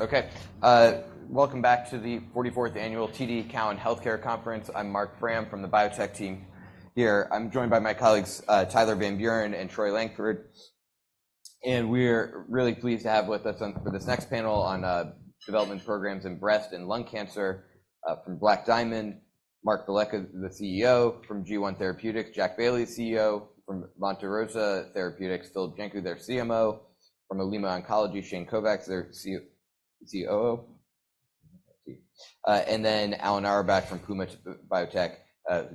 Okay, welcome back to the 44th annual TD Cowen Healthcare Conference. I'm Marc Frahm from the biotech team here. I'm joined by my colleagues, Tyler Van Buren and Troy Langford. And we're really pleased to have with us on for this next panel on development programs in breast and lung cancer, from Black Diamond Therapeutics. Mark Velleca, the CEO from G1 Therapeutics. Jack Bailey, CEO from Monte Rosa Therapeutics. Filip Janku, their CMO. From Olema Oncology, Shane Kovacs, their COO. And then Alan Auerbach from Puma Biotechnology,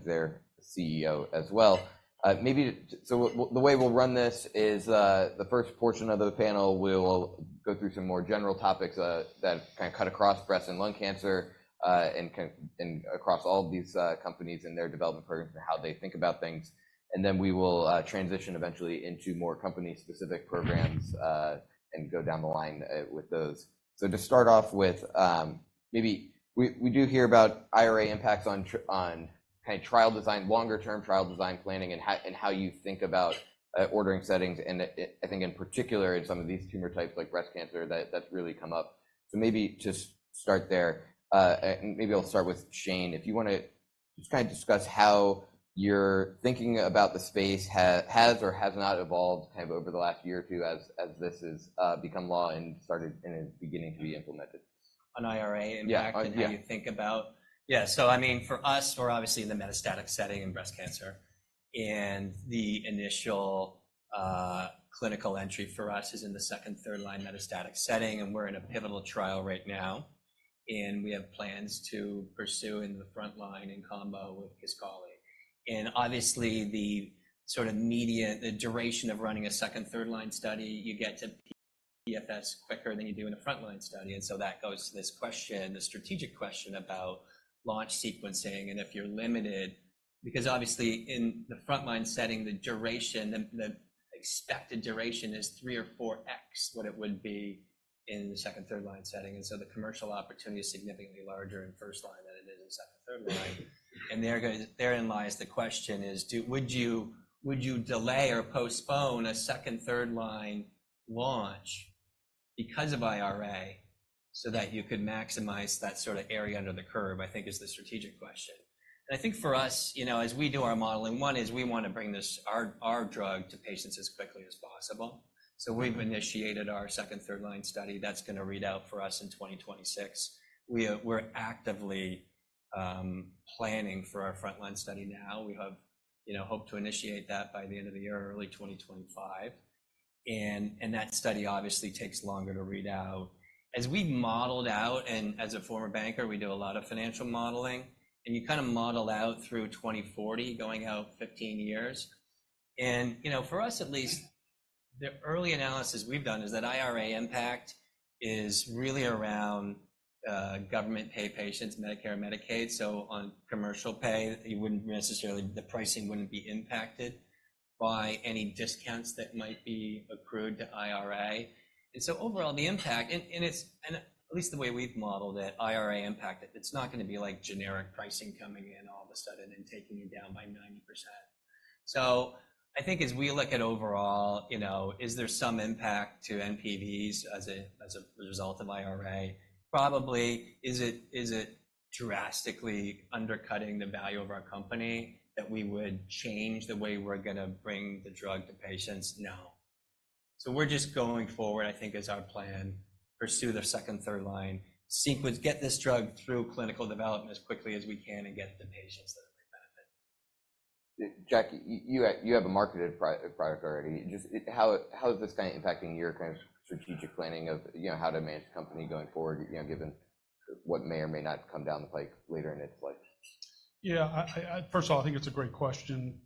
their CEO as well. The way we'll run this is, the first portion of the panel will go through some more general topics, that kind of cut across breast and lung cancer, and kind of across all of these companies and their development programs and how they think about things. And then we will transition eventually into more company-specific programs, and go down the line with those. So to start off with, maybe we do hear about IRA impacts on trial design, longer-term trial design planning, and how you think about ordering settings. And I think in particular in some of these tumor types like breast cancer, that's really come up. So maybe just start there. And maybe I'll start with Shane. If you wanna just kind of discuss how your thinking about the space has or has not evolved kind of over the last year or two as this has become law and started and is beginning to be implemented. An IRA impact and how you think about. Yeah. Yeah. So I mean, for us, we're obviously in the metastatic setting in breast cancer. And the initial, clinical entry for us is in the second, third line metastatic setting. And we're in a pivotal trial right now. And we have plans to pursue in the front line in combo with Kisqali. And obviously, the sort of median the duration of running a second, third line study, you get to PFS quicker than you do in a front line study. And so that goes to this question, the strategic question about launch sequencing. And if you're limited because obviously, in the front line setting, the duration, the the expected duration is 3x or 4x what it would be in the second, third line setting. And so the commercial opportunity is significantly larger in first line than it is in second, third line. And therein lies the question: would you delay or postpone a second- or third-line launch because of IRA so that you could maximize that sort of area under the curve? I think that is the strategic question. And I think for us, you know, as we do our modeling, one is we wanna bring this our drug to patients as quickly as possible. So we've initiated our second-line or third-line study that's gonna read out for us in 2026. We're actively planning for our frontline study now. We have, you know, hoped to initiate that by the end of the year, early 2025. And that study obviously takes longer to read out. As we've modeled out and as a former banker, we do a lot of financial modeling. And you kind of model out through 2040, going out 15 years. You know, for us at least, the early analysis we've done is that IRA impact is really around government pay patients, Medicare, Medicaid. So on commercial pay, you wouldn't necessarily the pricing wouldn't be impacted by any discounts that might be accrued to IRA. And so overall, the impact, and at least the way we've modeled it, IRA impact. It's not gonna be like generic pricing coming in all of a sudden and taking you down by 90%. So I think as we look at overall, you know, is there some impact to NPVs as a result of IRA? Probably. Is it drastically undercutting the value of our company that we would change the way we're gonna bring the drug to patients? No. So, we're just going forward, I think, is our plan, pursue the second, third line sequence, get this drug through clinical development as quickly as we can, and get the patients that it might benefit. Jack, you have a marketed product already. Just how is this kind of impacting your kind of strategic planning of, you know, how to manage the company going forward, you know, given what may or may not come down the pike later in its life? Yeah. I first of all, I think it's a great question.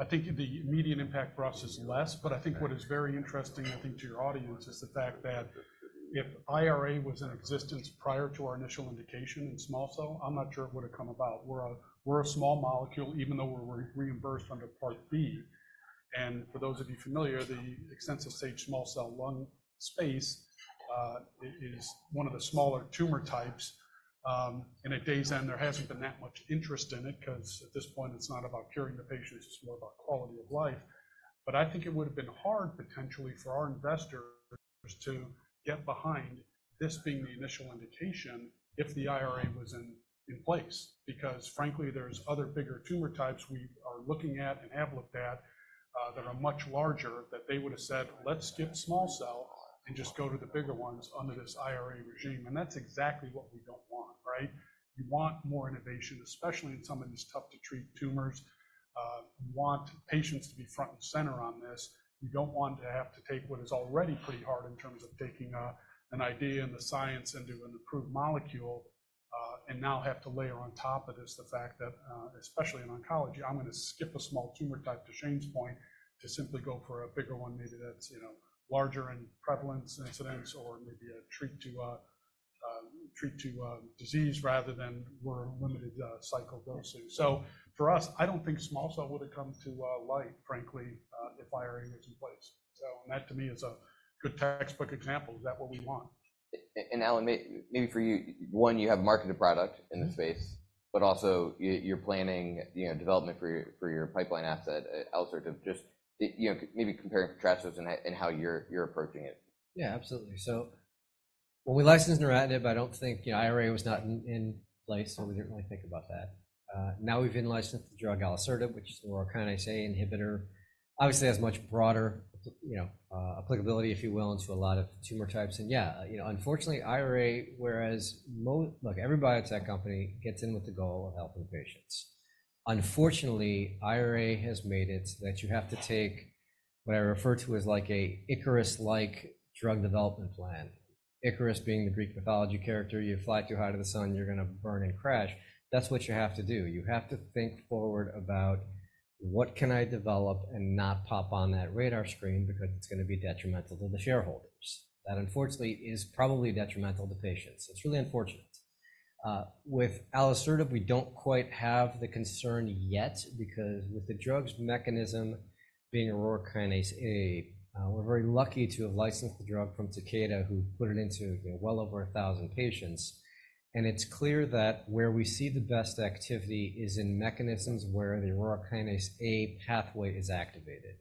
I think the immediate impact for us is less. But I think what is very interesting, I think, to your audience is the fact that if IRA was in existence prior to our initial indication in small cell, I'm not sure it would have come about. We're a small molecule, even though we're reimbursed under Part B. And for those of you familiar, the extensive stage small cell lung space is one of the smaller tumor types. And at day's end, there hasn't been that much interest in it because at this point, it's not about curing the patients. It's more about quality of life. But I think it would have been hard, potentially, for our investors to get behind this being the initial indication if the IRA was in place. Because frankly, there's other bigger tumor types we are looking at and have looked at, that are much larger that they would have said, "Let's skip small cell and just go to the bigger ones under this IRA regime." And that's exactly what we don't want, right? You want more innovation, especially in some of these tough-to-treat tumors. You want patients to be front and center on this. You don't want to have to take what is already pretty hard in terms of taking an idea and the science into an approved molecule, and now have to layer on top of this the fact that, especially in oncology, I'm gonna skip a small tumor type to Shane's point to simply go for a bigger one. Maybe that's, you know, larger in prevalence incidence or maybe a treat to, treat to, disease rather than we're limited cycle dosing. So for us, I don't think small cell would have come to light, frankly, if IRA was in place. So and that to me is a good textbook example. Is that what we want? And Alan, maybe for you, one, you have a marketed product in the space. But also, you're planning, you know, development for your pipeline asset, alisertib. Just, you know, maybe comparing and contrasting and how you're approaching it. Yeah, absolutely. So when we licensed neratinib, I don't think, you know, IRA was not in place. So we didn't really think about that. Now we've in-licensed the the Aurora kinase A inhibitor. obviously, it has much broader, you know, applicability, if you will, into a lot of tumor types. And yeah, you know, unfortunately, IRA, whereas, no. Look, every biotech company gets in with the goal of helping patients. Unfortunately, IRA has made it that you have to take what I refer to as like a Icarus-like drug development plan. Icarus being the Greek mythology character. You fly too high to the sun. You're gonna burn and crash. That's what you have to do. You have to think forward about, "What can I develop and not pop on that radar screen because it's gonna be detrimental to the shareholders?" That unfortunately is probably detrimental to patients. It's really unfortunate. With alisertib, we don't quite have the concern yet because being Aurora kinase A, we're very lucky to have licensed the drug from Takeda, who put it into, you know, well over 1,000 patients. And it's clear that where we see the best activity the Aurora kinase A pathway is activated.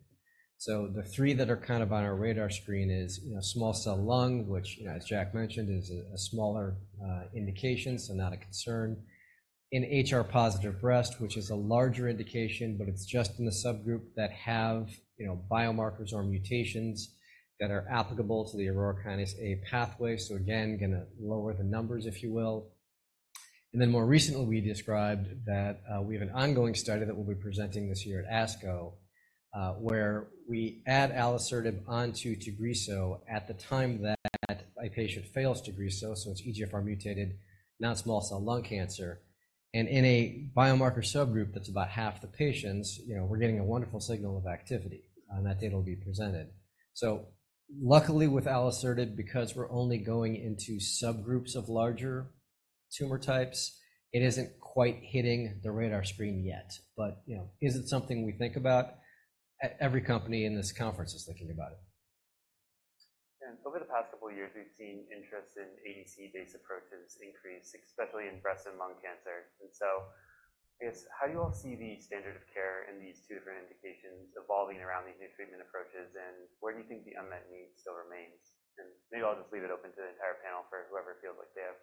so the three that are kind of on our radar screen is, you know, small cell lung, which, you know, as Jack mentioned, is a smaller indication, so not a concern. In HR-positive breast, which is a larger indication, but it's just in the subgroup that have, you know, biomarkers or mutations the Aurora kinase A pathway. so again, gonna lower the numbers, if you will. And then more recently, we described that we have an ongoing study that we'll be presenting this year at ASCO, where we add alisertib onto Tagrisso at the time that a patient fails Tagrisso. So it's EGFR-mutated, non-small cell lung cancer. And in a biomarker subgroup that's about half the patients, you know, we're getting a wonderful signal of activity. And that data will be presented. So luckily with alisertib, because we're only going into subgroups of larger tumor types, it isn't quite hitting the radar screen yet. But, you know, is it something we think about? Every company in this conference is thinking about it. Yeah. Over the past couple of years, we've seen interest in ADC-based approaches increase, especially in breast and lung cancer. And so I guess, how do you all see the standard of care in these two different indications evolving around these new treatment approaches? And where do you think the unmet need still remains? And maybe I'll just leave it open to the entire panel for whoever feels like they have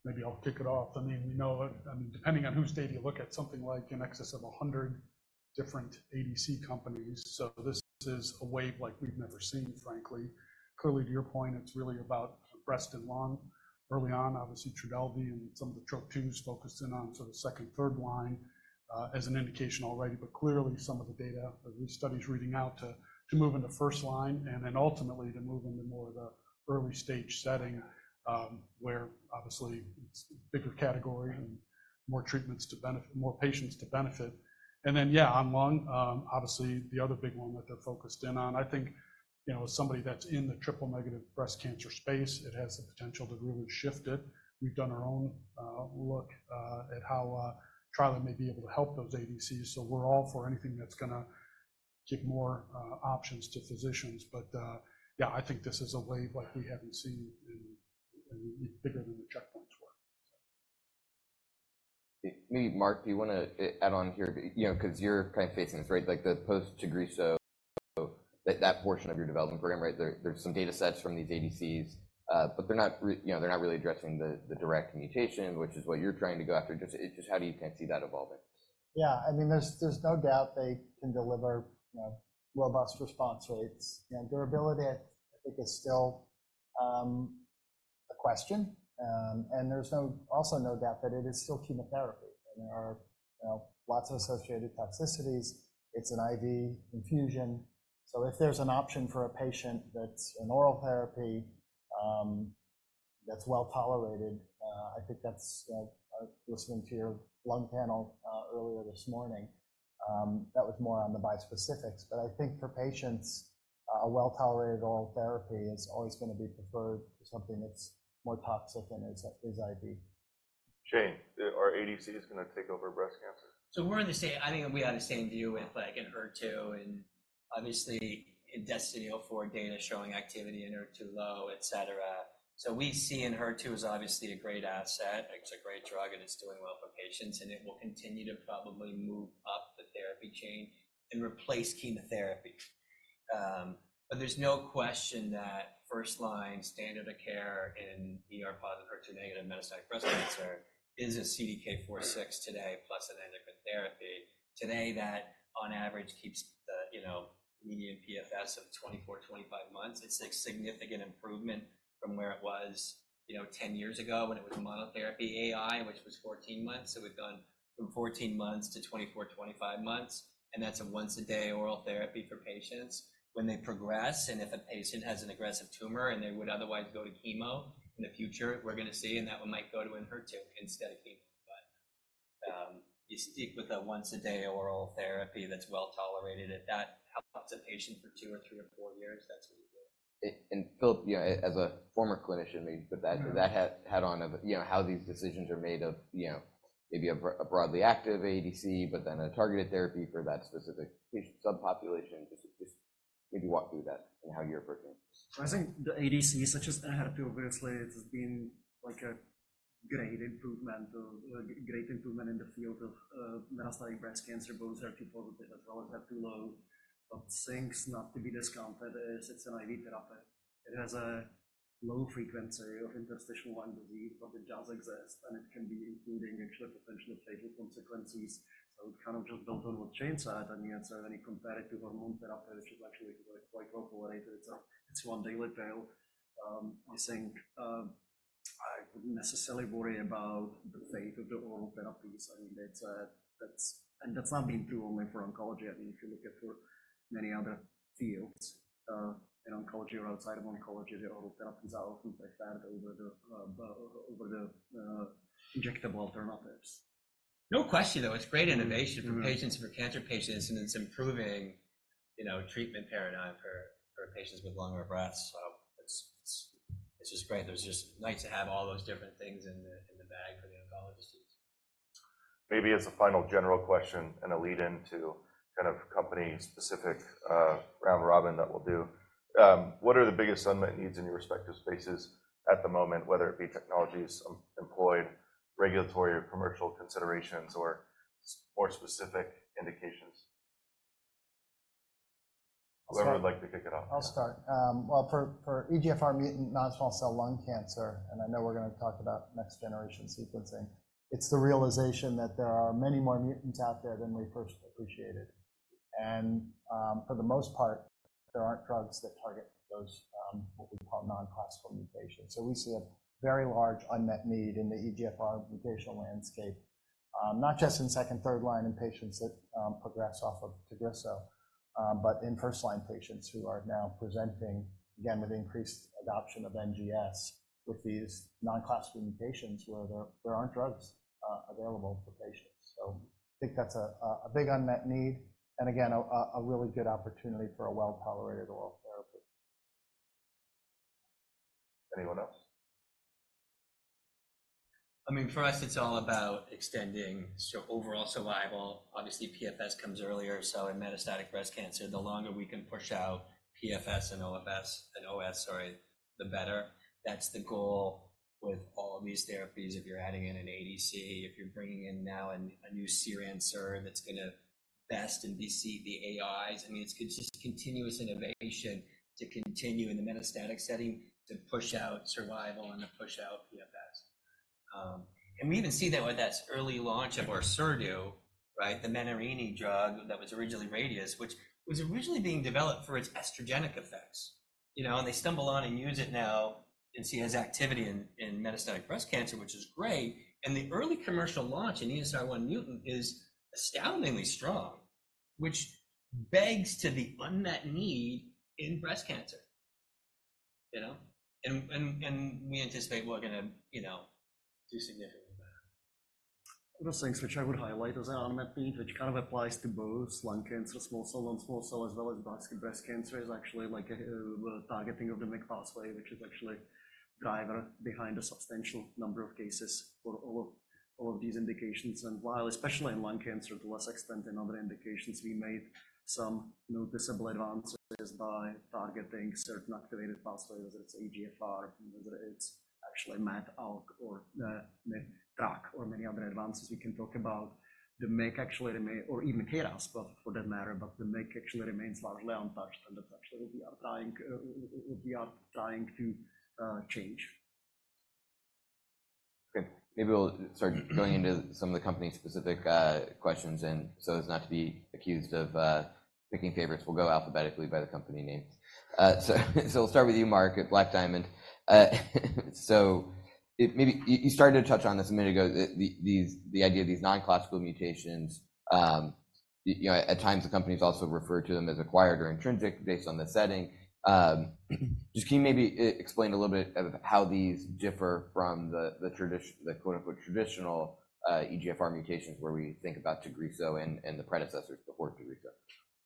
relevant commentary. Maybe I'll kick it off. I mean, we know it. I mean, depending on whose data you look at, something like an excess of 100 different ADC companies. So this is a wave like we've never seen, frankly. Clearly, to your point, it's really about breast and lung. Early on, obviously, TRODELVY and some of the Trop-2s focused in on sort of second, third line, as an indication already. But clearly, some of the data or these studies reading out to move into first line and then ultimately to move into more of the early stage setting, where obviously, it's a bigger category and more treatments to benefit more patients. And then yeah, on lung, obviously, the other big one that they're focused in on, I think, you know, as somebody that's in the triple-negative breast cancer space, it has the potential to really shift it. We've done our own look at how trilaciclib may be able to help those ADCs. So we're all for anything that's gonna give more options to physicians. But yeah, I think this is a wave like we haven't seen in—in bigger than the checkpoints were, so. I mean, Mark, do you wanna add on here, you know, because you're kind of facing this, right? Like the post-Tagrisso. That portion of your development program, right? There's some data sets from these ADCs, but they're not, you know, they're not really addressing the direct mutation, which is what you're trying to go after. It's just how do you kind of see that evolving? Yeah. I mean, there's no doubt they can deliver, you know, robust response rates. You know, durability, I think, is still a question. And there's also no doubt that it is still chemotherapy. And there are, you know, lots of associated toxicities. It's an IV infusion. So if there's an option for a patient that's an oral therapy, that's well tolerated, I think that's, you know, listening to your lung panel earlier this morning, that was more on the bispecifics. But I think for patients, a well-tolerated oral therapy is always gonna be preferred to something that's more toxic and is IV. Shane, are ADCs gonna take over breast cancer? So we're in the same I mean, we're on the same view with, like, Enhertu and obviously, in DESTINY-Breast04 data showing activity in HER2-low, etc. So we see Enhertu as obviously a great asset. It's a great drug. And it's doing well for patients. And it will continue to probably move up the therapy chain and replace chemotherapy. But there's no question that first line standard of care in ER-positive HER2-negative metastatic breast cancer is a CDK4/6 today plus an endocrine therapy today that, on average, keeps the, you know, median PFS of 24 months-25 months. It's a significant improvement from where it was, you know, 10 years ago when it was monotherapy AI, which was 14 months. So we've gone from 14 months to 24 months-25 months. And that's a once-a-day oral therapy for patients when they progress. If a patient has an aggressive tumor and they would otherwise go to chemo in the future, we're gonna see. That one might go to Enhertu instead of chemo. You stick with a once-a-day oral therapy that's well tolerated. If that helps a patient for two or three or four years, that's what you do. And Filip, you know, as a former clinician, maybe put that. Yeah. That hat on, you know, how these decisions are made, you know, maybe a broadly active ADC but then a targeted therapy for that specific patient subpopulation. Just maybe walk through that and how you're approaching it. Well, I think the ADC, such as I had a few of you say, it's been like a great improvement or a great improvement in the field of metastatic breast cancer, both HER2-positive as well as HER2-low. But things not to be discounted is it's an IV therapy. It has a low frequency of interstitial lung disease. But it does exist. And it can be including actually potential fatal consequences. So it kind of just built on what Shane said. I mean, it's already compared to hormone therapy, which is actually quite well tolerated. It's one daily pill. I think, I wouldn't necessarily worry about the fate of the oral therapies. I mean, it's a that's and that's not been true only for oncology. I mean, if you look at for many other fields, in oncology or outside of oncology, the oral therapies are often preferred over the injectable alternatives. No question, though. It's great innovation for patients for cancer patients. It's improving, you know, treatment paradigm for patients with lung or breast. So it's just great. It's just nice to have all those different things in the bag for the oncologist to use. Maybe as a final general question and a lead-in to kind of company-specific, round-robin that we'll do, what are the biggest unmet needs in your respective spaces at the moment, whether it be technologies employed, regulatory or commercial considerations, or some more specific indications? Whoever would like to kick it off. I'll start. Well, for EGFR-mutant non-small cell lung cancer (and I know we're gonna talk about next-generation sequencing), it's the realization that there are many more mutants out there than we first appreciated. And, for the most part, there aren't drugs that target those, what we call non-classical mutations. So we see a very large unmet need in the EGFR-mutational landscape, not just in second, third line in patients that progress off of Tagrisso, but in first-line patients who are now presenting again with increased adoption of NGS with these non-classical mutations where there aren't drugs available for patients. So I think that's a big unmet need. And again, a really good opportunity for a well-tolerated oral therapy. Anyone else? I mean, for us, it's all about extending so overall survival. Obviously, PFS comes earlier. So in metastatic breast cancer, the longer we can push out PFS and OFS and OS, sorry, the better. That's the goal with all of these therapies. If you're adding in an ADC, if you're bringing in now a new SERD that's gonna best in class the AIs, I mean, it's just continuous innovation to continue in the metastatic setting to push out survival and to push out PFS. And we even see that with that early launch of our SERD, right, the Menarini drug that was originally Radius, which was originally being developed for its estrogenic effects. You know, and they stumble on and use it now and see it has activity in metastatic breast cancer, which is great. The early commercial launch in ESR1 mutant is astoundingly strong, which begs to the unmet need in breast cancer, you know? We anticipate we're gonna, you know, do significantly better. Little things which I would highlight. There's an unmet need which kind of applies to both lung cancer, small cell and non-small cell, as well as breast cancer is actually like the targeting of the MYC pathway, which is actually the driver behind a substantial number of cases for all of these indications. And while, especially in lung cancer, to less extent than other indications, we made some noticeable advances by targeting certain activated pathways, whether it's EGFR, whether it's actually MET/ALK or MYC/NTRK or many other advances we can talk about or even KRAS, but for that matter. But the MYC actually remains largely untouched. And that's actually what we are trying to change. Okay. Maybe we'll start going into some of the company-specific questions. And so it's not to be accused of picking favorites. We'll go alphabetically by the company names. So we'll start with you, Mark, at Black Diamond. So maybe you started to touch on this a minute ago, the idea of these non-classical mutations. You know, at times, the company's also referred to them as acquired or intrinsic based on the setting. Just can you maybe explain a little bit of how these differ from the traditional, quote-unquote "traditional," EGFR mutations where we think about Tagrisso and the predecessors before Tagrisso?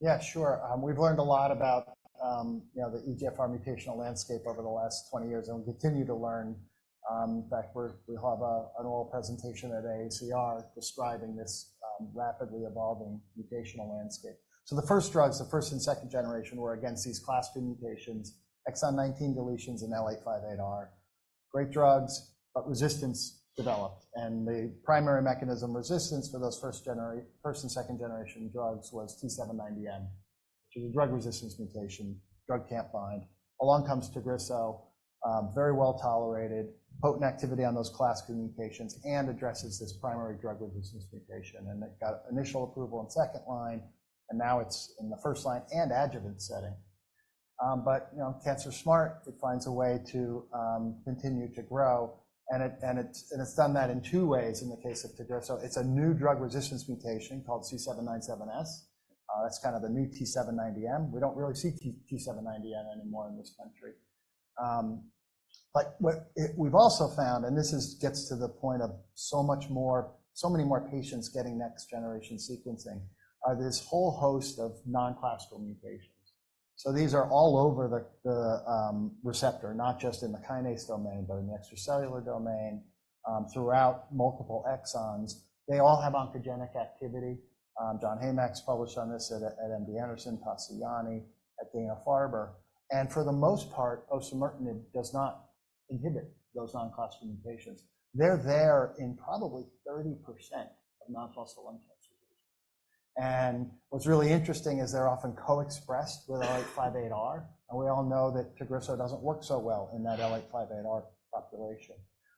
Yeah, sure. We've learned a lot about, you know, the EGFR-mutational landscape over the last 20 years. And we'll continue to learn. In fact, we'll have an oral presentation at AACR describing this rapidly evolving mutational landscape. So the first drugs, the first- and second-generation, were against these class two mutations, Exon 19 deletions and L858R. Great drugs, but resistance developed. And the primary mechanism resistance for those first- and second-generation drugs was T790M, which is a drug-resistance mutation, drug can't bind. Along comes Tagrisso, very well tolerated, potent activity on those class two mutations, and addresses this primary drug-resistance mutation. And it got initial approval in second line. And now it's in the first line and adjuvant setting. But, you know, cancer smart, it finds a way to continue to grow. It's done that in two ways in the case of Tagrisso. It's a new drug-resistance mutation called C797S. That's kind of the new T790M. We don't really see T790M anymore in this country. But what we've also found, and this gets to the point of so many more patients getting next-generation sequencing, are this whole host of non-classical mutations. So these are all over the receptor, not just in the kinase domain but in the extracellular domain, throughout multiple exons. They all have oncogenic activity. John Heymach published on this at MD Anderson, Dana-Farber, at Dana-Farber. And for the most part, osimertinib does not inhibit those non-classical mutations. They're there in probably 30% of non-small cell lung cancers. And what's really interesting is they're often co-expressed with L858R. And we all know that Tagrisso doesn't work so well in that L858R population.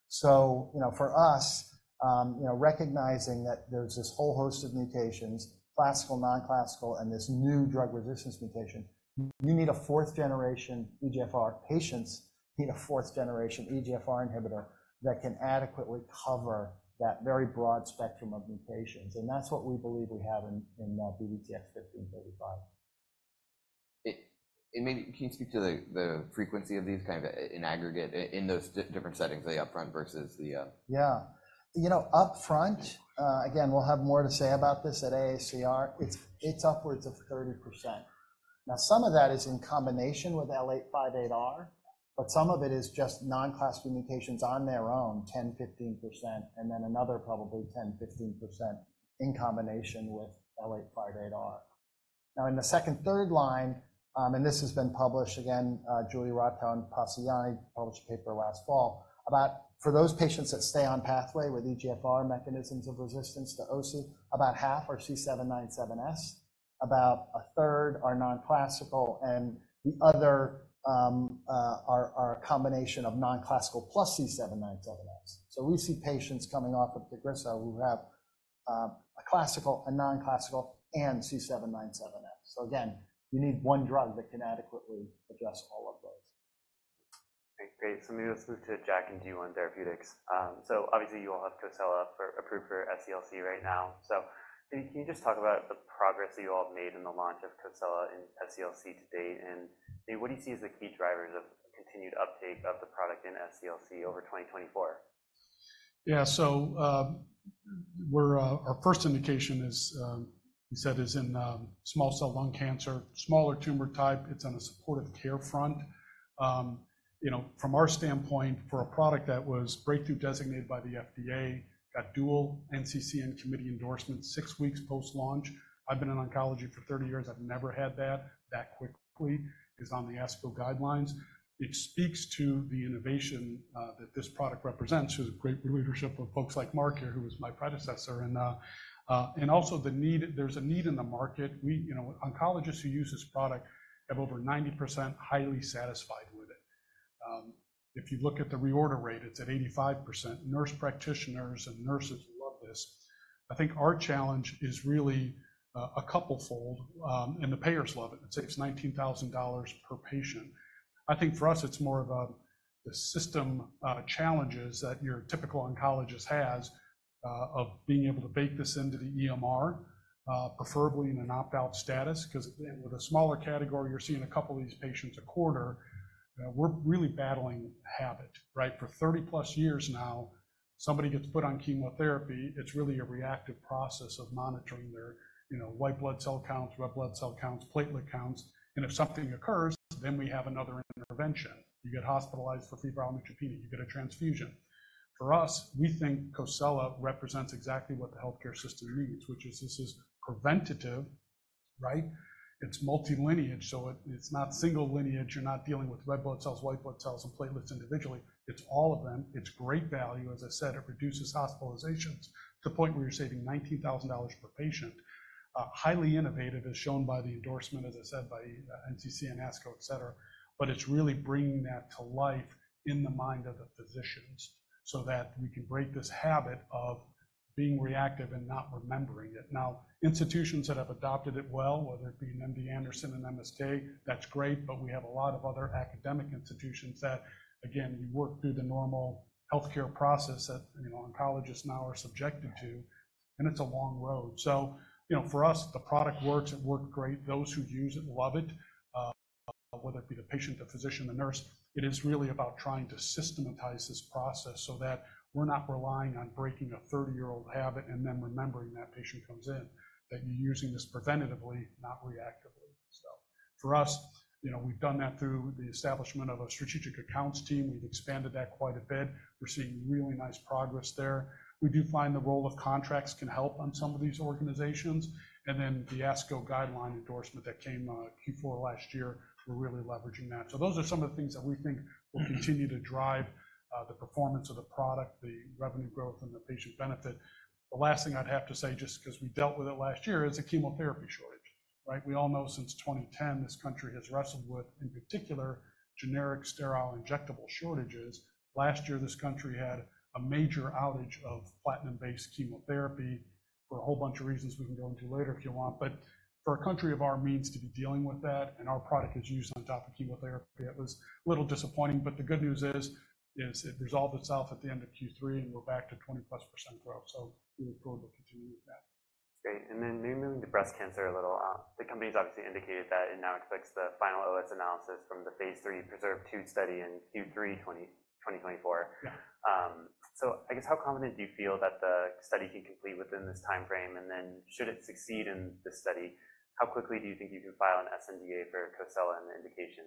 So, you know, for us, you know, recognizing that there's this whole host of mutations, classical, non-classical, and this new drug-resistance mutation, you need a fourth-generation EGFR. Patients need a fourth-generation EGFR inhibitor that can adequately cover that very broad spectrum of mutations. And that's what we believe we have in BDTX-1535. It maybe can you speak to the frequency of these kind of in aggregate in those different settings, the upfront versus the, Yeah. You know, upfront, again, we'll have more to say about this at AACR. It's upwards of 30%. Now, some of that is in combination with L858R. But some of it is just non-classical mutations on their own, 10%-15%, and then another probably 10%-15% in combination with L858R. Now, in the second, third line, and this has been published again, Julie Rotow and Dana-Farber Cancer Institute published a paper last fall about for those patients that stay on pathway with EGFR mechanisms of resistance to OC, about half are C797S. About a third are non-classical. And the other are a combination of non-classical plus C797S. So we see patients coming off of Tagrisso who have a classical, a non-classical, and C797S. So again, you need one drug that can adequately address all of those. Okay. Great. So maybe let's move to Jack and G1 Therapeutics. So obviously, you all have COSELA approved for SCLC right now. So maybe can you just talk about the progress that you all have made in the launch of COSELA in SCLC to date? And maybe what do you see as the key drivers of continued uptake of the product in SCLC over 2024? Yeah. So, we're our first indication is, you said, is in small cell lung cancer, smaller tumor type. It's on a supportive care front. You know, from our standpoint, for a product that was breakthrough designated by the FDA, got dual NCCN committee endorsement 6 weeks post-launch. I've been in oncology for 30 years. I've never had that that quickly is on the ASCO guidelines. It speaks to the innovation that this product represents through the great leadership of folks like Mark here, who was my predecessor. And, and also the need there's a need in the market. We, you know, oncologists who use this product have over 90% highly satisfied with it. If you look at the reorder rate, it's at 85%. Nurse practitioners and nurses love this. I think our challenge is really a couple-fold. And the payers love it. It saves $19,000 per patient. I think for us, it's more of the systemic challenges that your typical oncologist has of being able to bake this into the EMR, preferably in an opt-out status because, again, with a smaller category, you're seeing a couple of these patients a quarter. We're really battling habit, right? For 30+ years now, somebody gets put on chemotherapy. It's really a reactive process of monitoring their, you know, white blood cell counts, red blood cell counts, platelet counts. And if something occurs, then we have another intervention. You get hospitalized for febrile neutropenia. You get a transfusion. For us, we think COSELA represents exactly what the healthcare system needs, which is preventative, right? It's multilineage. So it's not single lineage. You're not dealing with red blood cells, white blood cells, and platelets individually. It's all of them. It's great value. As I said, it reduces hospitalizations to the point where you're saving $19,000 per patient. Highly innovative is shown by the endorsement, as I said, by NCCN and ASCO, etc. But it's really bringing that to life in the mind of the physicians so that we can break this habit of being reactive and not remembering it. Now, institutions that have adopted it well, whether it be in MD Anderson and MSK, that's great. But we have a lot of other academic institutions that, again, you work through the normal healthcare process that, you know, oncologists now are subjected to. And it's a long road. So, you know, for us, the product works. It worked great. Those who use it love it. Whether it be the patient, the physician, the nurse, it is really about trying to systematize this process so that we're not relying on breaking a 30-year-old habit and then remembering that patient comes in, that you're using this preventatively, not reactively. So for us, you know, we've done that through the establishment of a strategic accounts team. We've expanded that quite a bit. We're seeing really nice progress there. We do find the role of contracts can help on some of these organizations. And then the ASCO guideline endorsement that came, Q4 last year, we're really leveraging that. So those are some of the things that we think will continue to drive the performance of the product, the revenue growth, and the patient benefit. The last thing I'd have to say, just because we dealt with it last year, is the chemotherapy shortage, right? We all know since 2010, this country has wrestled with, in particular, generic sterile injectable shortages. Last year, this country had a major outage of platinum-based chemotherapy for a whole bunch of reasons we can go into later if you want. But for a country of our means to be dealing with that and our product is used on top of chemotherapy, it was a little disappointing. But the good news is, it resolved itself at the end of Q3. And we're back to 20%+ growth. So we look forward to continuing with that. Great. And then maybe moving to breast cancer a little. The company's obviously indicated that it now expects the final OS analysis from the phase III PRESERVE 2 study in Q3 2024. Yeah. So I guess, how confident do you feel that the study can complete within this time frame? And then should it succeed in this study, how quickly do you think you can file an SNDA for COSELA and the indication?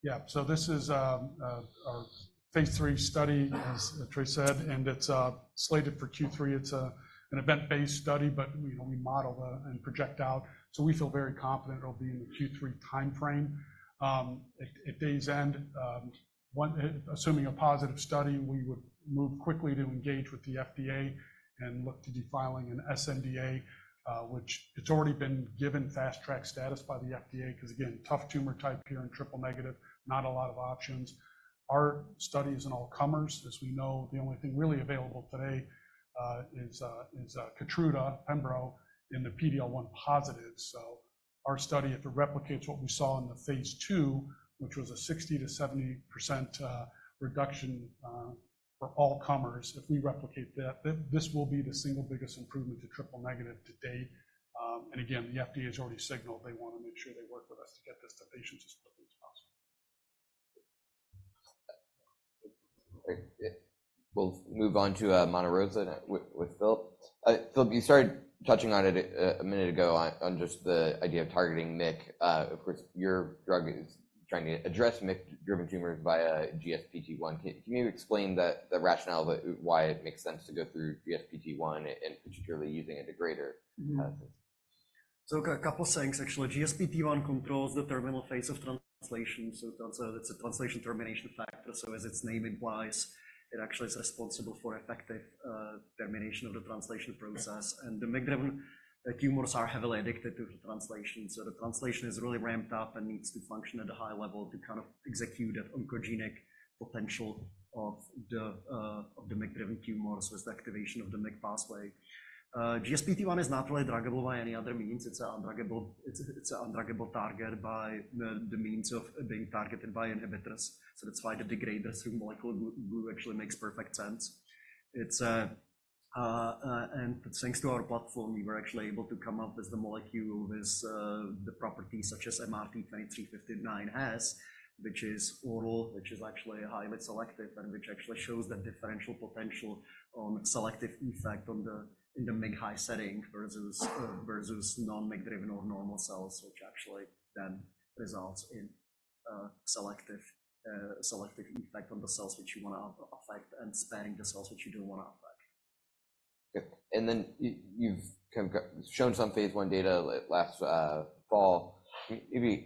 Yeah. So this is our phase III study, as Trey said. And it's slated for Q3. It's an event-based study. But, you know, we model it and project out. So we feel very confident it'll be in the Q3 time frame. At day's end, assuming a positive study, we would move quickly to engage with the FDA and look to be filing an sNDA, which it's already been given fast-track status by the FDA because, again, tough tumor type here and triple negative, not a lot of options. Our study is an all-comers. As we know, the only thing really available today is Keytruda, Pembro, and the PD-L1 positives. So our study, if it replicates what we saw in the phase II, which was a 60%-70% reduction for all-comers, if we replicate that, this will be the single biggest improvement to triple-negative to date. And again, the FDA has already signaled they want to make sure they work with us to get this to patients as quickly as possible. Great. We'll move on to Monte Rosa with Filip. Filip, you started touching on it a minute ago on just the idea of targeting MYC. Of course, your drug is trying to address MYC-driven tumors via GSPT1. Can you explain the rationale of why it makes sense to go through GSPT1 and particularly using a degrader? Mm-hmm. How does that? So a couple of things, actually. GSPT1 controls the terminal phase of translation. So it's a translation termination factor. So as its name implies, it actually is responsible for effective termination of the translation process. And the MYC-driven tumors are heavily addicted to the translation. So the translation is really ramped up and needs to function at a high level to kind of execute that oncogenic potential of the, of the MYC-driven tumors with the activation of the MYC pathway. GSPT1 is not really druggable by any other means. It's an undruggable target by the means of being targeted by inhibitors. So that's why the degraders through molecular glue actually makes perfect sense. And thanks to our platform, we were actually able to come up with the molecule with the properties such as MRT-2359 has, which is oral, which is actually highly selective and which actually shows the differential potential on selective effect on the in the MYC high setting versus non-MYC-driven or normal cells, which actually then results in selective effect on the cells which you want to affect and sparing the cells which you don't want to affect. Good. And then you've kind of got shown some phase I data last fall. Can you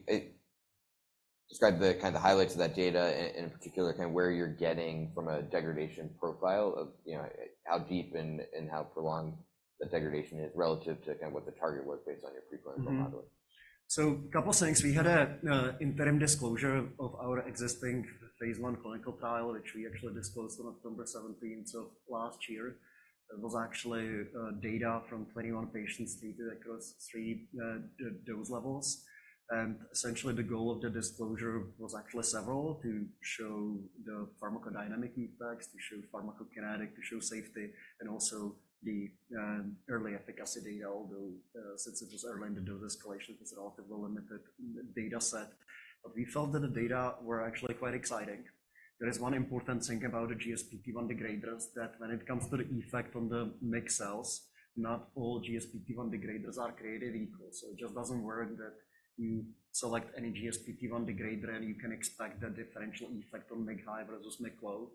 maybe describe the kind of highlights of that data and in particular, kind of where you're getting from a degradation profile of, you know, how deep and how prolonged the degradation is relative to kind of what the target was based on your pre-clinical modeling? Mm-hmm. So a couple of things. We had an interim disclosure of our existing phase I clinical trial, which we actually disclosed on October 17th of last year. It was actually data from 21 patients treated across three dose levels. And essentially, the goal of the disclosure was actually several: to show the pharmacodynamic effects, to show pharmacokinetic, to show safety, and also the early efficacy data, although since it was early in the dose escalation, it was a relatively limited data set. But we felt that the data were actually quite exciting. There is one important thing about the GSPT1 degraders that when it comes to the effect on the MYC cells, not all GSPT1 degraders are created equal. So it just doesn't work that you select any GSPT1 degrader, and you can expect the differential effect on MYC high versus MYC low.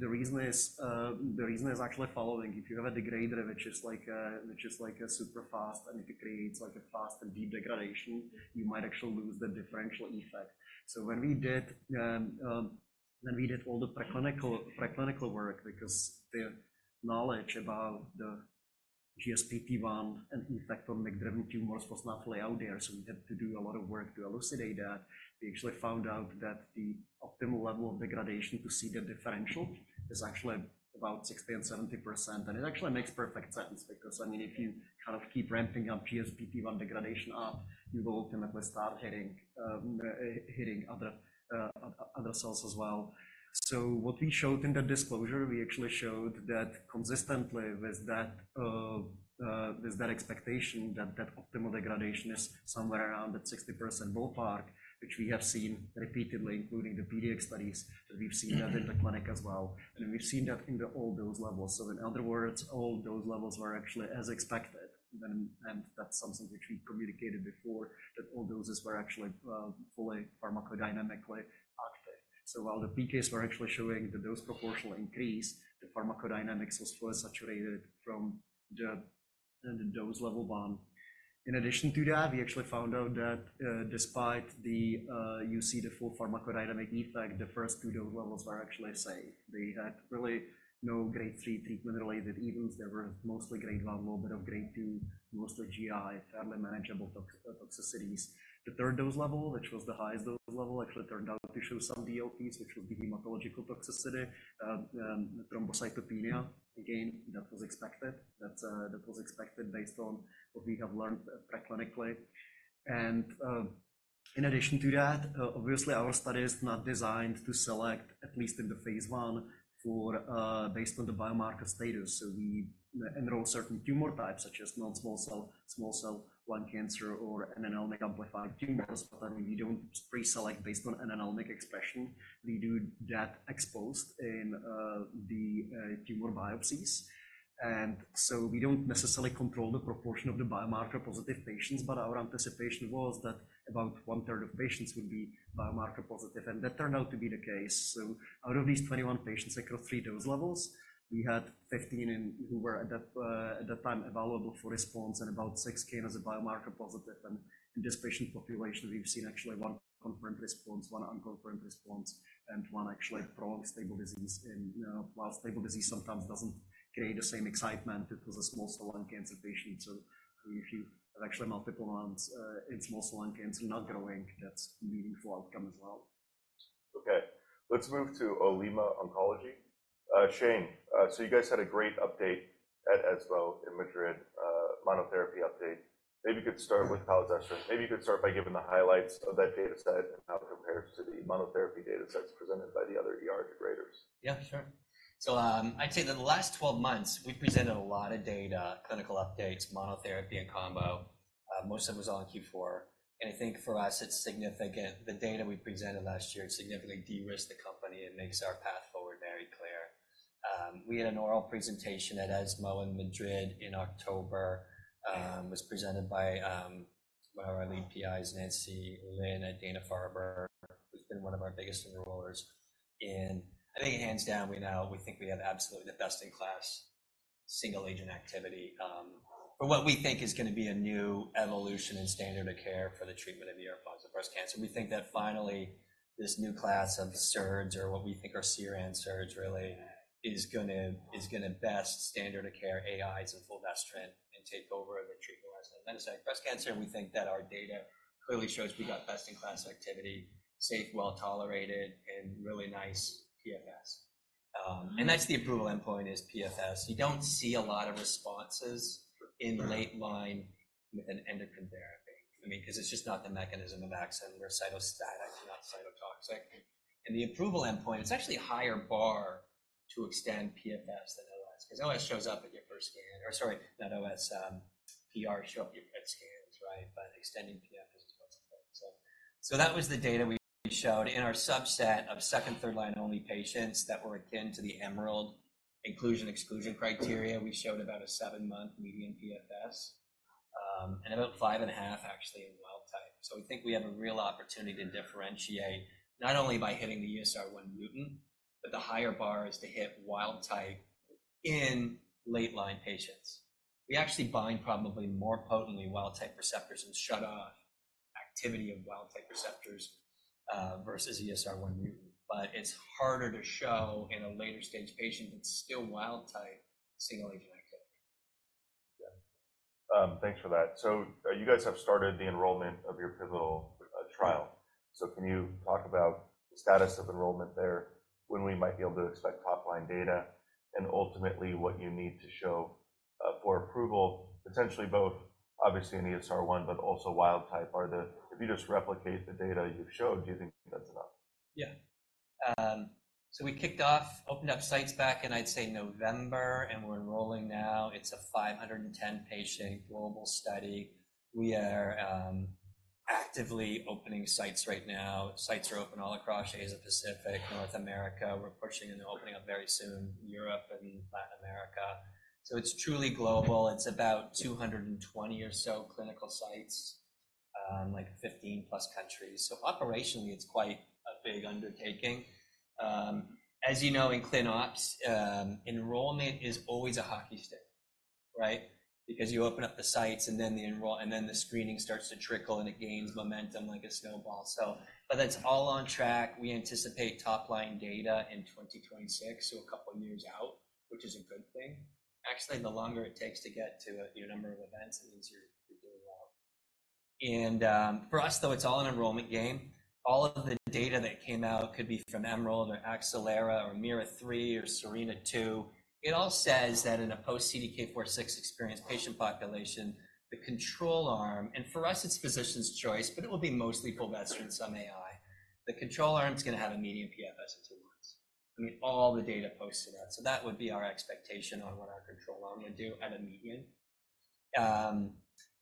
The reason is, the reason is actually following. If you have a degrader which is like, which is like a super fast and it creates like a fast and deep degradation, you might actually lose the differential effect. So when we did, when we did all the pre-clinical pre-clinical work because the knowledge about the GSPT1 and effect on MYC-driven tumors was not really out there, so we had to do a lot of work to elucidate that, we actually found out that the optimal level of degradation to see the differential is actually about 60%-70%. And it actually makes perfect sense because, I mean, if you kind of keep ramping up GSPT1 degradation up, you will ultimately start hitting, hitting other, other cells as well. So what we showed in the disclosure, we actually showed that consistently with that, with that expectation that that optimal degradation is somewhere around that 60% ballpark, which we have seen repeatedly, including the PDX studies that we've seen that in the clinic as well. And we've seen that in all dose levels. So in other words, all dose levels were actually as expected. And that's something which we communicated before, that all doses were actually fully pharmacodynamically active. So while the PK is we're actually showing the dose proportional increase, the pharmacodynamics was further saturated from the dose level beyond. In addition to that, we actually found out that despite the full pharmacodynamic effect, the first two dose levels were actually safe. They had really no Grade III treatment-related events. There were mostly Grade I, a little bit of Grade II, mostly GI, fairly manageable toxicities. The third dose level, which was the highest dose level, actually turned out to show some DLTs, which was the hematological toxicity, thrombocytopenia. Again, that was expected. That was expected based on what we have learned preclinically. And in addition to that, obviously, our study is not designed to select, at least in the phase I, based on the biomarker status. So we enroll certain tumor types such as non-small cell lung cancer, small cell lung cancer, or N-MYC amplified tumors. But then we don't preselect based on N-MYC expression. We do that ex post in the tumor biopsies. And so we don't necessarily control the proportion of the biomarker-positive patients. But our anticipation was that about one-third of patients would be biomarker-positive. And that turned out to be the case. So out of these 21 patients across three dose levels, we had 15 who were at that, at that time evaluable for response and about six came as a biomarker-positive. In this patient population, we've seen actually one confirmed response, one unconfirmed response, and one actually prolonged stable disease, while stable disease sometimes doesn't create the same excitement if it was a small cell lung cancer patient. So if you have actually multiple ones, in small cell lung cancer not growing, that's a meaningful outcome as well. Okay. Let's move to Olema Oncology. Shane, so you guys had a great update at ESMO in Madrid, monotherapy update. Maybe you could start with palazestrant. Maybe you could start by giving the highlights of that data set and how it compares to the monotherapy data sets presented by the other degraders. Yeah, sure. So, I'd say that the last 12 months, we presented a lot of data, clinical updates, monotherapy in combo. Most of it was all in Q4. And I think for us, it's significant the data we presented last year significantly de-risked the company and makes our path forward very clear. We had an oral presentation at ESMO in Madrid in October. It was presented by one of our lead PIs, Nancy Lin at Dana-Farber, who's been one of our biggest enrollers. And I think hands down, we now we think we have absolutely the best-in-class single agent activity, for what we think is going to be a new evolution in standard of care for the treatment of positive breast cancer. We think that finally, this new class of SERDs or what we think are next-gen SERDs really is going to beat standard of care AIs and fulvestrant and take over the treatment of metastatic breast cancer. We think that our data clearly shows we got best-in-class activity, safe, well-tolerated, and really nice PFS. And that's the approval endpoint is PFS. You don't see a lot of responses in late line with an endocrine therapy, I mean, because it's just not the mechanism of action. We're cytostatic, not cytotoxic. And the approval endpoint, it's actually a higher bar to extend PFS than OS because OS shows up at your first scan or sorry, not OS, PR show up at scans, right? But extending PFS is what's important. So that was the data we showed. In our subset of second, third line only patients that were akin to the EMERALD inclusion/exclusion criteria, we showed about a 7-month median PFS, and about 5.5, actually, in wild type. So we think we have a real opportunity to differentiate not only by hitting the ESR1 mutant, but the higher bar is to hit wild type in late line patients. We actually bind probably more potently wild type receptors and shut off activity of wild type receptors, versus ESR1 mutant. But it's harder to show in a later stage patient that's still wild type single agent activity. Okay. Thanks for that. So, you guys have started the enrollment of your pivotal trial. So can you talk about the status of enrollment there, when we might be able to expect top-line data, and ultimately, what you need to show for approval, potentially both, obviously, an ESR1 but also wild type, or if you just replicate the data you've showed, do you think that's enough? Yeah. So we kicked off, opened up sites back, and I'd say November. And we're enrolling now. It's a 510-patient global study. We are actively opening sites right now. Sites are open all across Asia-Pacific, North America. We're pushing into opening up very soon Europe and Latin America. So it's truly global. It's about 220 or so clinical sites, like 15+ countries. So operationally, it's quite a big undertaking. As you know, in clin-ops, enrollment is always a hockey stick, right? Because you open up the sites, and then the enroll and then the screening starts to trickle, and it gains momentum like a snowball. So but that's all on track. We anticipate top-line data in 2026, so a couple of years out, which is a good thing. Actually, the longer it takes to get to a, you know, number of events, it means you're doing well. For us, though, it's all an enrollment game. All of the data that came out could be from EMERALD or acelERA or AMEERA-3 or SERENA-2. It all says that in a post-CDK4/6 experienced patient population, the control arm and for us, it's physician's choice, but it will be mostly fulvestrant and some AI. The control arm's going to have a median PFS in two months. I mean, all the data points to that. So that would be our expectation on what our control arm would do at a median,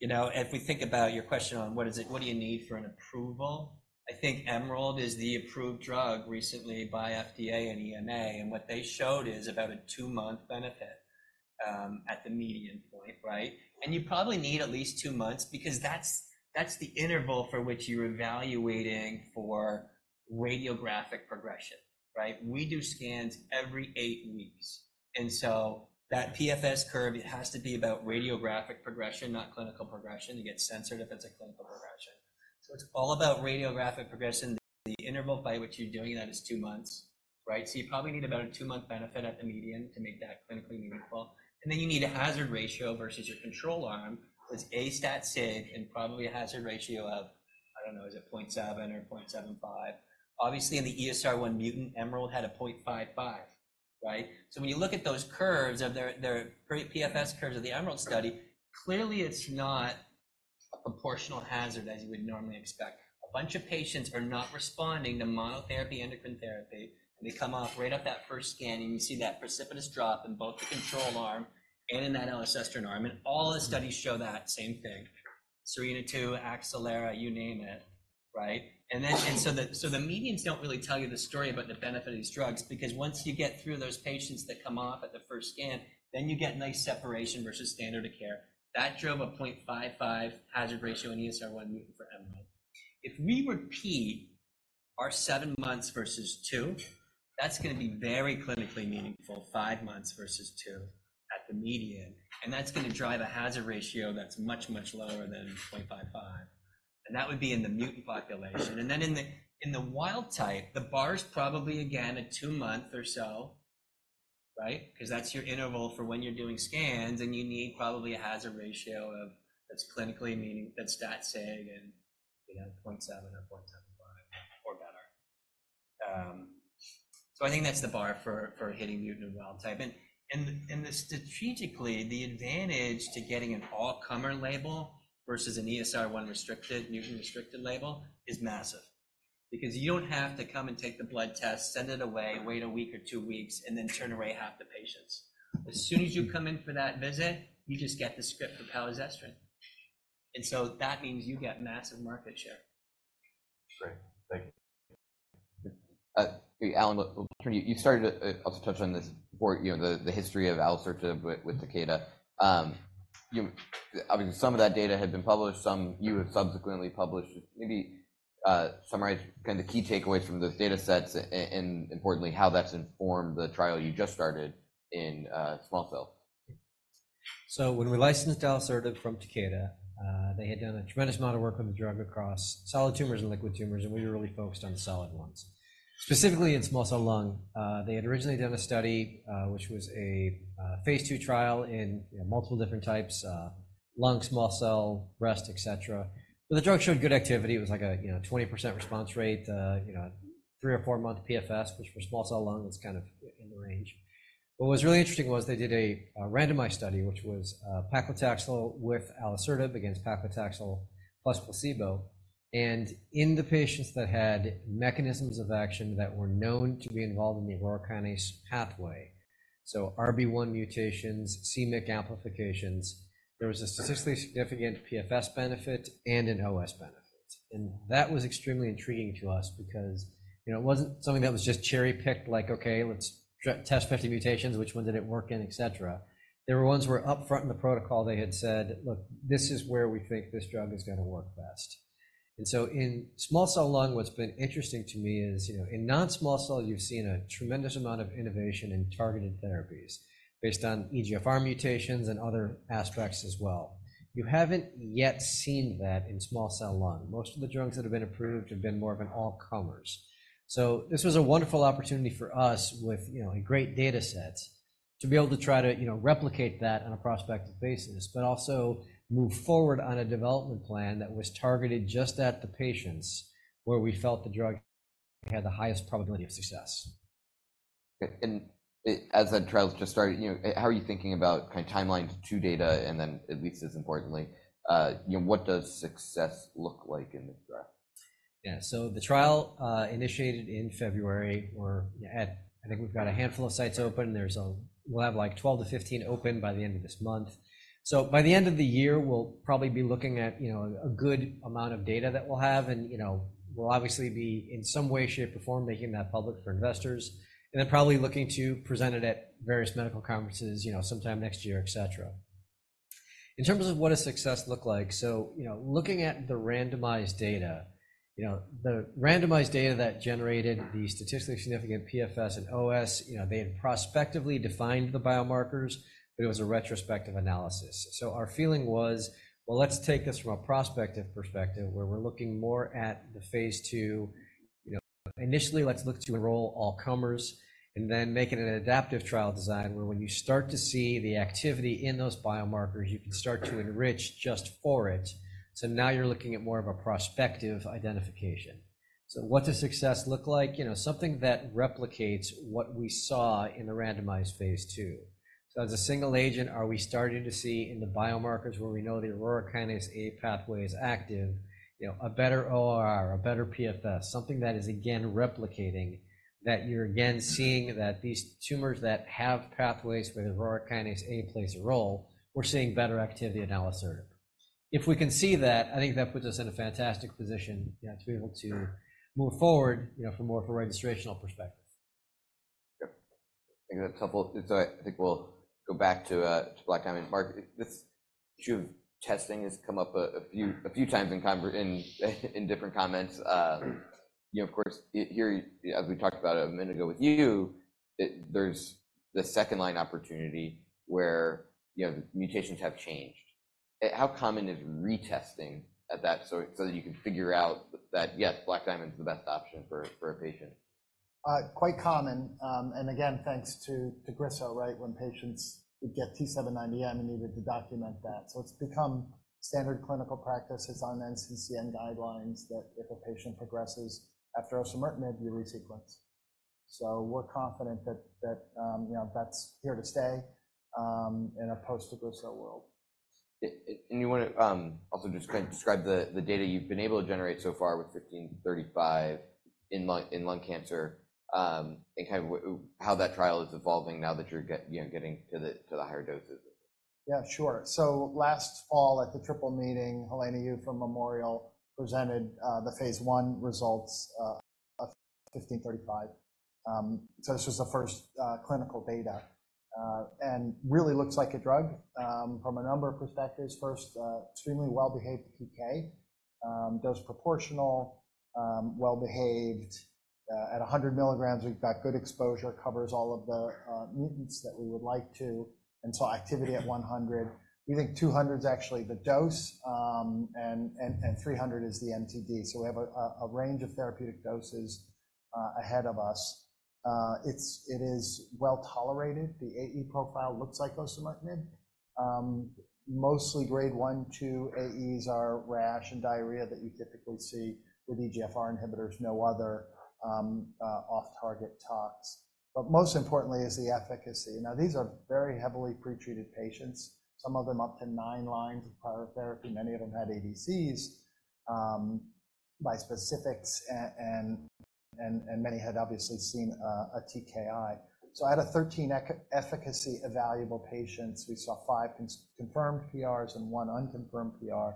you know, if we think about your question on what is it, what do you need for an approval? I think EMERALD is the approved drug recently by FDA and EMA. And what they showed is about a two-month benefit, at the median point, right? And you probably need at least two months because that's the interval for which you're evaluating for radiographic progression, right? We do scans every eight weeks. And so that PFS curve, it has to be about radiographic progression, not clinical progression. It gets censored if it's a clinical progression. So it's all about radiographic progression. The interval by which you're doing that is two months, right? So you probably need about a two-month benefit at the median to make that clinically meaningful. And then you need a hazard ratio versus your control arm that's statistically significant and probably a hazard ratio of, I don't know, is it 0.7 or 0.75? Obviously, in the ESR1 mutant, EMERALD had a 0.55, right? So when you look at those curves of their PFS curves of the EMERALD study, clearly, it's not a proportional hazard as you would normally expect. A bunch of patients are not responding to monotherapy, endocrine therapy. And they come off right at that first scan, and you see that precipitous drop in both the control arm and in that elacestrant arm. And all the studies show that same thing: SERENA-2, acelERA, you name it, right? And then the medians don't really tell you the story about the benefit of these drugs because once you get through those patients that come off at the first scan, then you get nice separation versus standard of care. That drove a 0.55 hazard ratio in ESR1 mutant for EMERALD. If we repeat our 7 months versus 2, that's going to be very clinically meaningful, 5 months versus 2 at the median. And that's going to drive a hazard ratio that's much, much lower than 0.55. And that would be in the mutant population. And then in the wild type, the bar's probably, again, a two-month or so, right? Because that's your interval for when you're doing scans, and you need probably a hazard ratio of that's clinically meaning that's STAT safe and, you know, 0.7 or 0.75 or better. So I think that's the bar for, for hitting mutant and wild type. And the strategically, the advantage to getting an all-comer label versus an ESR1 restricted, mutant-restricted label is massive because you don't have to come and take the blood test, send it away, wait a week or two weeks, and then turn away half the patients. As soon as you come in for that visit, you just get the script for palazestrant. And so that means you get massive market share. Great. Thank you. Alan, well, I'll turn to you. You started to also touch on this before, you know, the history of alisertib's with Takeda. You obviously, some of that data had been published. Some you have subsequently published. Maybe, summarize kind of the key takeaways from those data sets and, and importantly, how that's informed the trial you just started in small cell. So when we licensed alisertib from Takeda, they had done a tremendous amount of work with the drug across solid tumors and liquid tumors. And we were really focused on the solid ones, specifically in small cell lung. They had originally done a study, which was a phase II trial in, you know, multiple different types, lung, small cell, breast, etc. But the drug showed good activity. It was like a, you know, 20% response rate, you know, three-month or four-month PFS, which for small cell lung, it's kind of in the range. What was really interesting was they did a randomized study, which was paclitaxel with alisertib against paclitaxel plus placebo. And in the patients that had mechanisms of action that were known Aurora kinase A pathway, so rb1 mutations, myc amplifications, there was a statistically significant PFS benefit and an OS benefit. That was extremely intriguing to us because, you know, it wasn't something that was just cherry-picked like, "Okay, let's test 50 mutations. Which ones did it work in?" etc. There were ones where up front in the protocol, they had said, "Look, this is where we think this drug is going to work best." And so in small cell lung, what's been interesting to me is, you know, in non-small cell, you've seen a tremendous amount of innovation in targeted therapies based on EGFR mutations and other aspects as well. You haven't yet seen that in small cell lung. Most of the drugs that have been approved have been more of an all-comers. So this was a wonderful opportunity for us with, you know, a great data set to be able to try to, you know, replicate that on a prospective basis but also move forward on a development plan that was targeted just at the patients where we felt the drug had the highest probability of success. Okay. And as that trial's just started, you know, how are you thinking about kind of timeline to data and then at least as importantly, you know, what does success look like in this draft? Yeah. So the trial, initiated in February or, you know, at—I think we've got a handful of sites open. We'll have like 12-15 open by the end of this month. So by the end of the year, we'll probably be looking at, you know, a good amount of data that we'll have. And, you know, we'll obviously be in some way, shape, or form making that public for investors and then probably looking to present it at various medical conferences, you know, sometime next year, etc. In terms of what does success look like? So, you know, looking at the randomized data, you know, the randomized data that generated the statistically significant PFS and OS, you know, they had prospectively defined the biomarkers, but it was a retrospective analysis. So our feeling was, well, let's take this from a prospective perspective where we're looking more at the phase II. You know, initially, let's look to enroll all-comers and then make it an adaptive trial design where when you start to see the activity in those biomarkers, you can start to enrich just for it. So now you're looking at more of a prospective identification. So what does success look like? You know, something that replicates what we saw in the randomized phase II. So as a single agent, are we starting to see in the biomarkers Aurora kinase A pathway is active, you know, a better ORR, a better PFS, something that is, again, replicating that you're again seeing that these tumors that Aurora kinase A plays a role, we're seeing better activity in alisertib. If we can see that, I think that puts us in a fantastic position, you know, to be able to move forward, you know, from more of a registrational perspective. Yeah. I think that's helpful. So I think we'll go back to Black Diamond. Mark, this issue of testing has come up a few times in conversation in different comments. You know, of course, here, as we talked about a minute ago with you, there's the second line opportunity where, you know, the mutations have changed. How common is retesting at that so that you can figure out that, yes, Black Diamond's the best option for a patient? Quite common. And again, thanks to Tagrisso, right, when patients would get T790M, you needed to document that. So it's become standard clinical practice on NCCN guidelines that if a patient progresses after osimertinib, you resequence. So we're confident that, you know, that's here to stay, in a post-Tagrisso world. You want to also just kind of describe the data you've been able to generate so far with 1535 in lung cancer, and kind of how that trial is evolving now that you're getting, you know, to the higher doses? Yeah, sure. So last fall at the triple meeting, Helena Yu from Memorial presented the phase I results of BDTX-1535. So this was the first clinical data. And really looks like a drug from a number of perspectives. First, extremely well-behaved PK. Dose proportional, well-behaved. At 100 milligrams, we've got good exposure, covers all of the mutants that we would like to. And so activity at 100. We think 200 is actually the dose, and 300 is the MTD. So we have a range of therapeutic doses ahead of us. It is well-tolerated. The AE profile looks like osimertinib. Mostly grade I, II AEs are rash and diarrhea that you typically see with EGFR inhibitors, no other off-target tox. But most importantly is the efficacy. Now, these are very heavily pretreated patients, some of them up to 9 lines of prior therapy. Many of them had ADCs, bispecifics. And many had obviously seen a TKI. So out of 13 efficacy evaluable patients, we saw five confirmed PRs and one unconfirmed PR.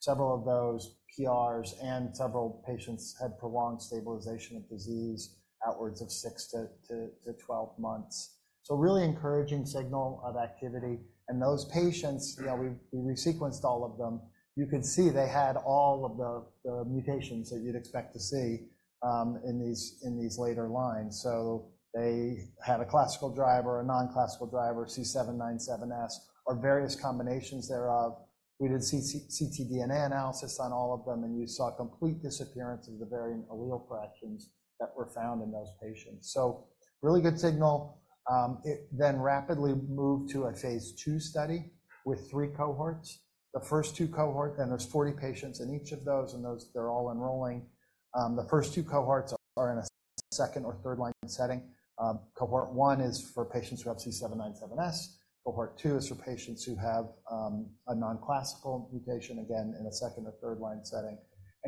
Several of those PRs and several patients had prolonged stabilization of disease outwards of six to 12 months. So really encouraging signal of activity. And those patients, you know, we resequenced all of them. You could see they had all of the mutations that you'd expect to see in these later lines. So they had a classical driver, a non-classical driver, C797S, or various combinations thereof. We did ctDNA analysis on all of them, and you saw complete disappearance of the variant allele fractions that were found in those patients. So really good signal. It then rapidly moved to a phase II study with three cohorts. The first two cohorts, and there's 40 patients in each of those, and those, they're all enrolling. The first two cohorts are in a second- or third-line setting. Cohort one is for patients who have C797S. Cohort two is for patients who have a non-classical mutation, again, in a second- or third-line setting.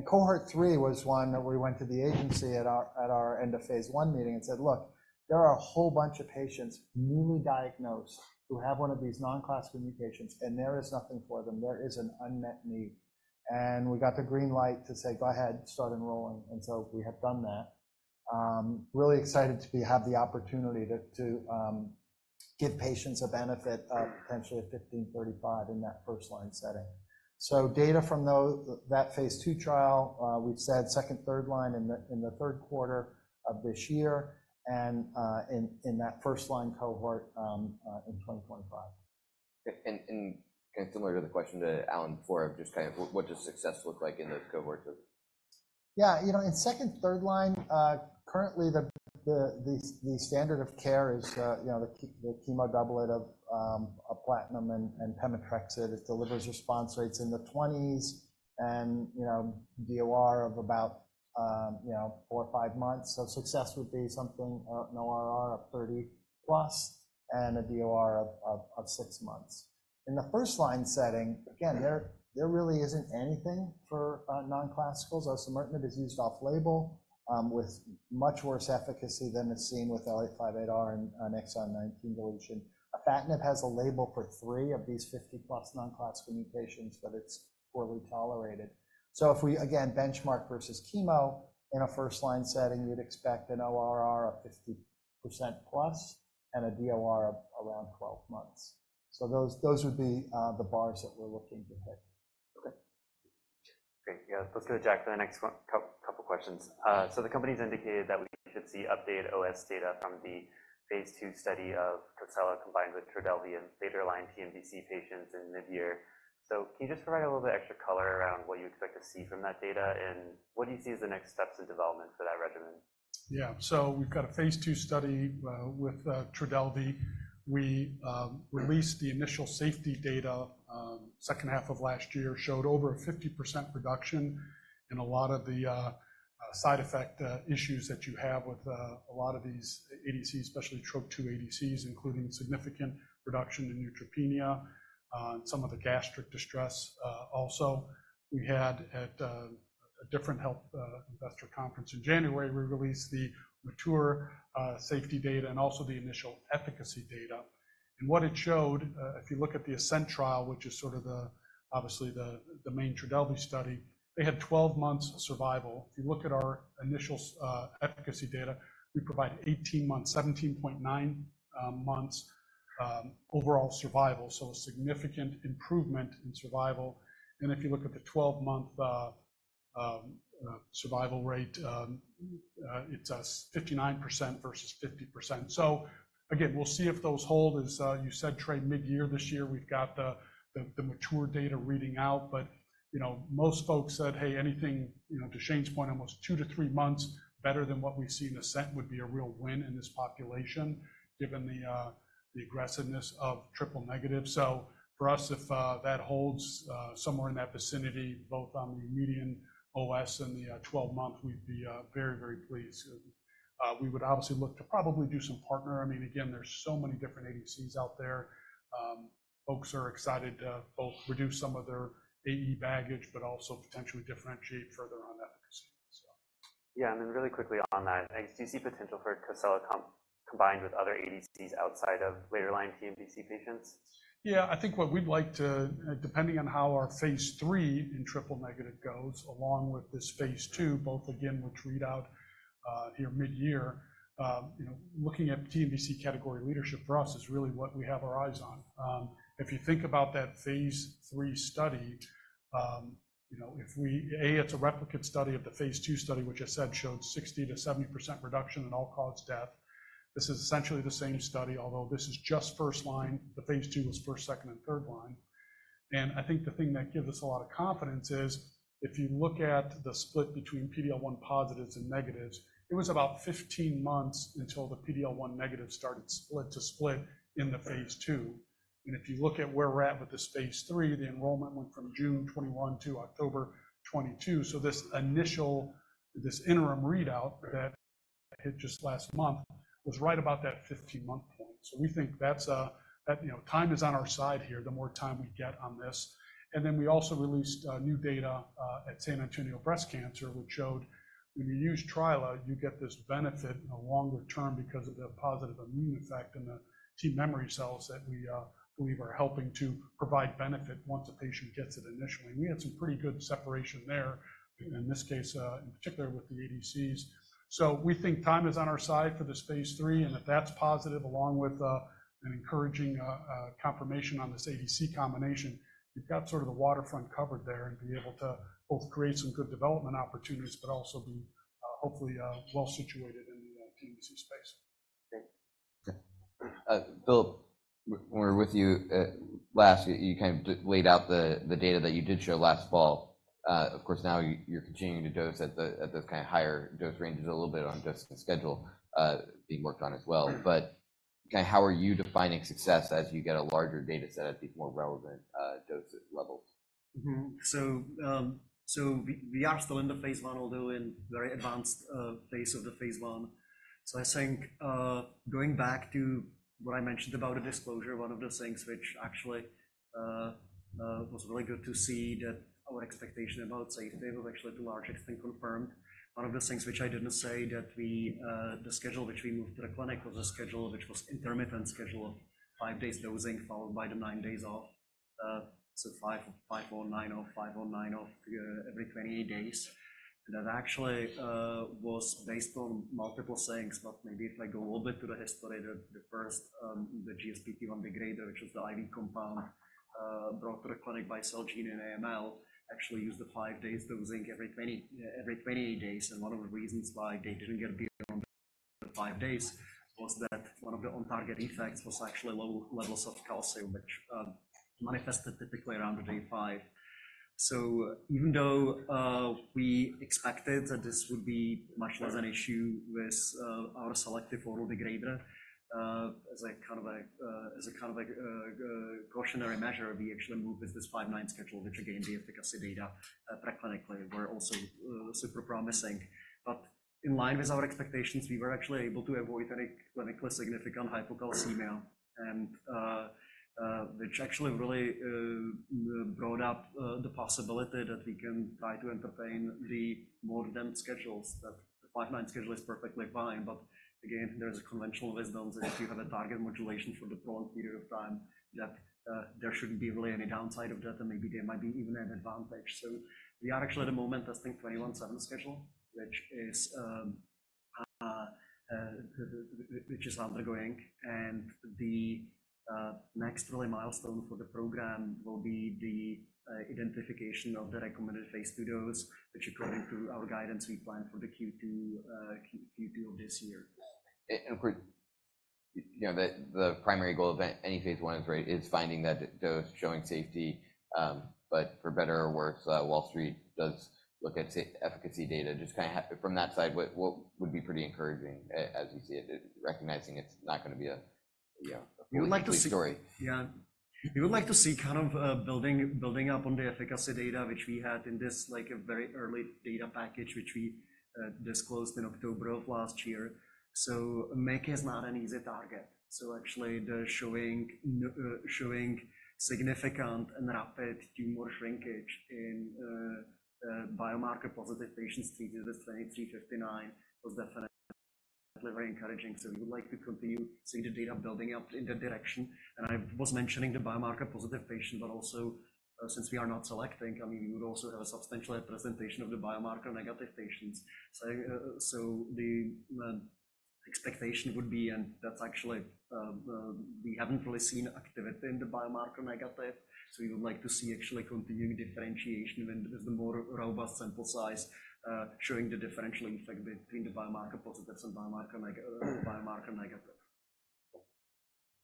Cohort three was one that we went to the agency at our end of phase I meeting and said, "Look, there are a whole bunch of patients newly diagnosed who have one of these non-classical mutations, and there is nothing for them. There is an unmet need." We got the green light to say, "Go ahead, start enrolling." So we have done that. Really excited to have the opportunity to give patients a benefit of potentially BDTX-1535 in that first-line setting. So data from that phase II trial, we've said second, third line in the third quarter of this year and in that first line cohort in 2025. Okay. And kind of similar to the question to Alan before, just kind of what does success look like in those cohorts of? Yeah. You know, in second, third line, currently, the standard of care is, you know, the key the chemo doublet of platinum and pemetrexed. It delivers response rates in the 20s and, you know, DOR of about, you know, four months or five months. So success would be something an ORR of 30+ and a DOR of six months. In the first line setting, again, there really isn't anything for non-classicals. Osimertinib is used off-label, with much worse efficacy than it's seen with L858R and Exon 19 deletion. Afatinib has a label for three of these 50+ non-classical mutations, but it's poorly tolerated. So if we, again, benchmark versus chemo in a first line setting, you'd expect an ORR of 50%+ and a DOR of around 12 months. So those would be the bars that we're looking to hit. Okay. Great. Yeah. Let's go to Jack for the next couple of questions. The company's indicated that we should see updated OS data from the phase II study of COSELA combined with TRODELVY and later line TNBC patients in mid-year. So can you just provide a little bit extra color around what you expect to see from that data and what do you see as the next steps in development for that regimen? Yeah. So we've got a phase II study with TRODELVY. We released the initial safety data second half of last year, showed over a 50% reduction in a lot of the side effect issues that you have with a lot of these ADCs, especially Trop-2 ADCs, including significant reduction in neutropenia and some of the gastric distress, also. We had at a different health investor conference in January, we released the mature safety data and also the initial efficacy data. And what it showed, if you look at the ASCENT trial, which is sort of the obviously the main TRODELVY study, they had 12 months of survival. If you look at our initial efficacy data, we provide 18 months, 17.9 months, overall survival. So a significant improvement in survival. And if you look at the 12-month survival rate, it's 59% versus 50%. So again, we'll see if those hold as, you said, data readout mid-year this year. We've got the mature data reading out. But, you know, most folks said, "Hey, anything, you know, to Shane's point, almost 2-3 months better than what we see in ASCENT would be a real win in this population given the aggressiveness of triple-negative." So for us, if that holds, somewhere in that vicinity, both on the median OS and the 12-month, we'd be very, very pleased. We would obviously look to probably do some partner. I mean, again, there's so many different ADCs out there. Folks are excited to both reduce some of their AE baggage but also potentially differentiate further on efficacy. Yeah. And then really quickly on that, do you see potential for COSELA combined with other ADCs outside of later line TNBC patients? Yeah. I think what we'd like to, depending on how our phase III in triple negative goes along with this phase II, both again, which read out here mid-year, you know, looking at TNBC category leadership for us is really what we have our eyes on. If you think about that phase III study, you know, if we a, it's a replicate study of the phase II study, which I said showed 60%-70% reduction in all-cause death. This is essentially the same study, although this is just first line. The phase II was first, second, and third line. And I think the thing that gives us a lot of confidence is if you look at the split between PD-L1 positives and negatives, it was about 15 months until the PD-L1 negative started split to split in the phase II. If you look at where we're at with this phase III, the enrollment went from June 2021 to October 2022. So this initial, this interim readout that hit just last month was right about that 15-month point. So we think that's, that, you know, time is on our side here, the more time we get on this. And then we also released new data at San Antonio Breast Cancer, which showed when you use trilaciclib, you get this benefit in a longer term because of the positive immune effect in the T memory cells that we believe are helping to provide benefit once a patient gets it initially. And we had some pretty good separation there in this case, in particular with the ADCs. So we think time is on our side for this phase III and that's positive along with an encouraging confirmation on this ADC combination. You've got sort of the waterfront covered there and be able to both create some good development opportunities but also be, hopefully, well-situated in the TNBC space. Great. Fil, when we were with you last, you kind of laid out the data that you did show last fall. Of course, now you're continuing to dose at those kind of higher dose ranges, a little bit on dosing schedule being worked on as well. But kind of how are you defining success as you get a larger data set at these more relevant dose levels? Mm-hmm. So we are still in the phase I, although in very advanced phase of the phase I. So I think, going back to what I mentioned about the disclosure, one of the things which actually was really good to see that our expectation about safety was actually to large extent confirmed. One of the things which I didn't say that we, the schedule which we moved to the clinic was a schedule which was intermittent schedule of five days dosing followed by the nine days off. So five on nine off, five on nine off every 28 days. And that actually was based on multiple things. But maybe if I go a little bit to the history, the first, the GSPT1 degrader, which was the IV compound, brought to the clinic by Celgene and AML, actually used the five days dosing every 28 days. And one of the reasons why they didn't get beyond the five days was that one of the on-target effects was actually low levels of calcium, which manifested typically around day five. So even though we expected that this would be much less an issue with our selective oral degrader, as a kind of a, as a kind of a cautionary measure, we actually moved with this 5/9 schedule, which again, the efficacy data pre-clinically were also super promising. But in line with our expectations, we were actually able to avoid any clinically significant hypocalcemia. And which actually really brought up the possibility that we can try to entertain the more dense schedules. That the 5/9 schedule is perfectly fine. But again, there's a conventional wisdom that if you have a target modulation for the prolonged period of time, that there shouldn't be really any downside of that and maybe there might be even an advantage. So we are actually at the moment testing 21/7 schedule, which is undergoing. And the next really milestone for the program will be the identification of the recommended phase II dose, which according to our guidance, we plan for the Q2 of this year. And of course, you know, the primary goal of any phase I is right, is finding that dose showing safety. But for better or worse, Wall Street does look at efficacy data. Just kind of from that side, what, what would be pretty encouraging as you see it, recognizing it's not going to be a, you know, a complete story? We would like to see yeah. We would like to see kind of building up on the efficacy data, which we had in this, like, a very early data package, which we disclosed in October of last year. So MEK is not an easy target. So actually the showing significant and rapid tumor shrinkage in biomarker-positive patients treated with 2359 was definitely very encouraging. So we would like to continue seeing the data building up in that direction. And I was mentioning the biomarker-positive patient, but also, since we are not selecting, I mean, we would also have a substantial representation of the biomarker-negative patients. So the expectation would be and that's actually we haven't really seen activity in the biomarker-negative. So we would like to see actually continuing differentiation with the more robust sample size, showing the differential effect between the biomarker-positives and biomarker-negative.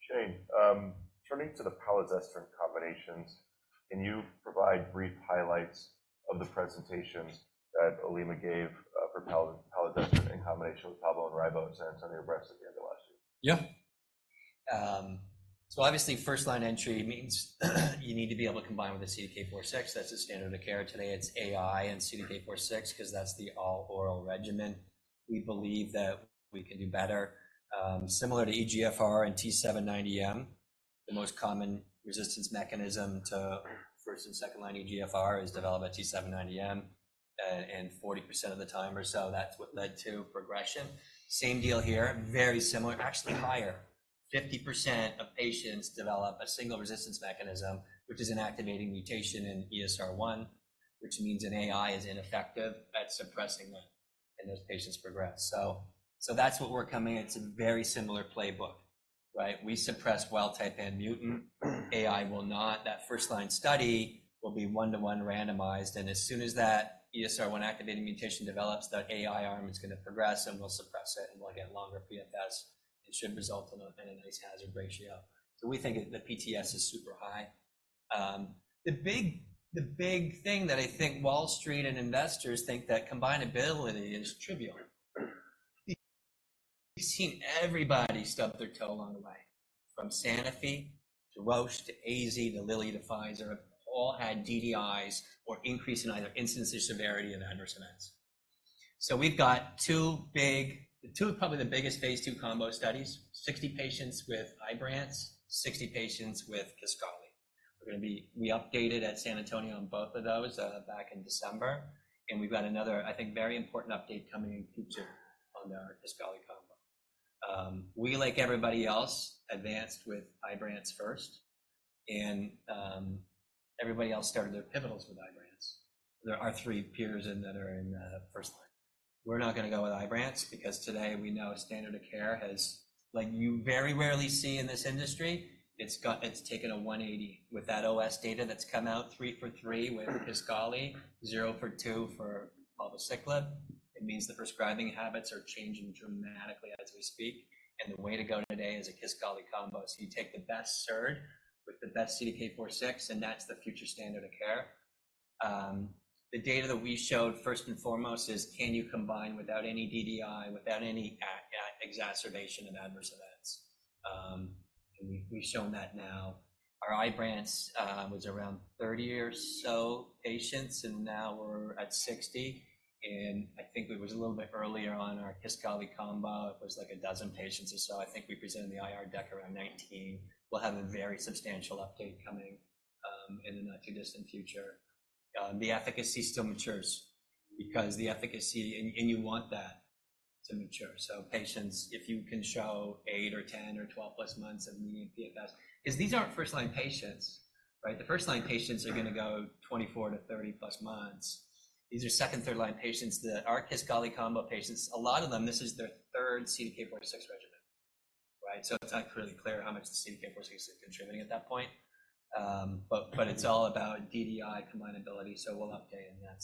Shane, turning to the palazestrant combinations, can you provide brief highlights of the presentations that Olema gave, for palazestrant in combination with palbociclib and ribociclib at San Antonio Breast at the end of last year? Yeah. So obviously first-line entry means you need to be able to combine with the CDK4/6. That's the standard of care today. It's AI and CDK4/6 because that's the all-oral regimen. We believe that we can do better. Similar to EGFR and T790M, the most common resistance mechanism to first- and second-line EGFR is developed at T790M. And 40% of the time or so, that's what led to progression. Same deal here, very similar, actually higher. 50% of patients develop a single resistance mechanism, which is an activating mutation in ESR1, which means an AI is ineffective at suppressing that and those patients progress. So, so that's what we're coming at. It's a very similar playbook, right? We suppress wild-type and mutant. AI will not. That first-line study will be 1:1 randomized. And as soon as that ESR1 activating mutation develops, that AI arm is going to progress and we'll suppress it and we'll get longer PFS and should result in a nice hazard ratio. So we think the PTS is super high. The big, the big thing that I think Wall Street and investors think that combinability is trivial. We've seen everybody stub their toe along the way, from Sanofi to Roche to AZ to Lilly to Pfizer, all had DDIs or increase in either incidences, severity, and adverse events. So we've got two big the two probably the biggest phase II combo studies, 60 patients with Ibrance, 60 patients with Kisqali. We're going to be we updated at San Antonio on both of those, back in December. And we've got another, I think, very important update coming in the future on our Kisqali combo. We, like everybody else, advanced with Ibrance first. And, everybody else started their pivotals with Ibrance. There are three peers in that are in first line. We're not going to go with Ibrance because today we know standard of care has, like you very rarely see in this industry, it's got it's taken a 180. With that OS data that's come out, three for three with Kisqali, zero for two for palbociclib, it means the prescribing habits are changing dramatically as we speak. And the way to go today is a Kisqali combo. So you take the best SERD with the best CDK4/6, and that's the future standard of care. The data that we showed first and foremost is can you combine without any DDI, without any exacerbation of adverse events. And we've shown that now. Our Ibrance was around 30 or so patients, and now we're at 60. And I think it was a little bit earlier on our Kisqali combo. It was like 12 patients or so. I think we presented the IR deck around 2019. We'll have a very substantial update coming, in the not-too-distant future. The efficacy still matures because the efficacy and you want that to mature. So patients, if you can show eight or 10 or 12+ months of median PFS because these aren't first-line patients, right? The first-line patients are going to go 24-30+ months. These are second, third-line patients that our Kisqali combo patients, a lot of them, this is their third CDK4/6 regimen, right? So it's not clearly clear how much the CDK4/6 is contributing at that point. But it's all about DDI combinability. So we'll update. And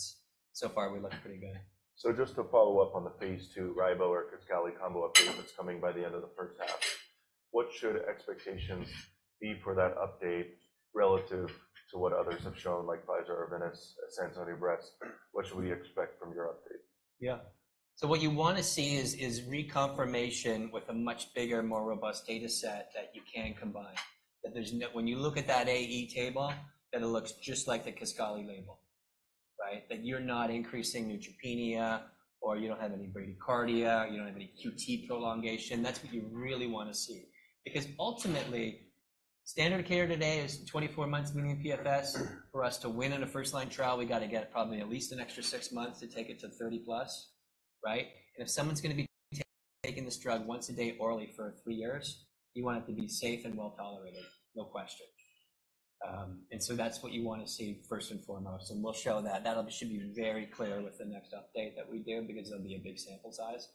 so far, we look pretty good. So just to follow up on the phase II, ribociclib or Kisqali combo update that's coming by the end of the first half, what should expectations be for that update relative to what others have shown, like Pfizer or Menarini at San Antonio Breast? What should we expect from your update? Yeah. So what you want to see is reconfirmation with a much bigger, more robust data set that you can combine, that there's when you look at that AE table, that it looks just like the Kisqali label, right? That you're not increasing neutropenia or you don't have any bradycardia, you don't have any QT prolongation. That's what you really want to see. Because ultimately, standard of care today is 24 months median PFS. For us to win in a first-line trial, we got to get probably at least an extra 6 months to take it to 30+, right? And if someone's going to be taking this drug once a day orally for 3 years, you want it to be safe and well-tolerated, no question. And so that's what you want to see first and foremost. And we'll show that. That should be very clear with the next update that we do because it'll be a big sample size.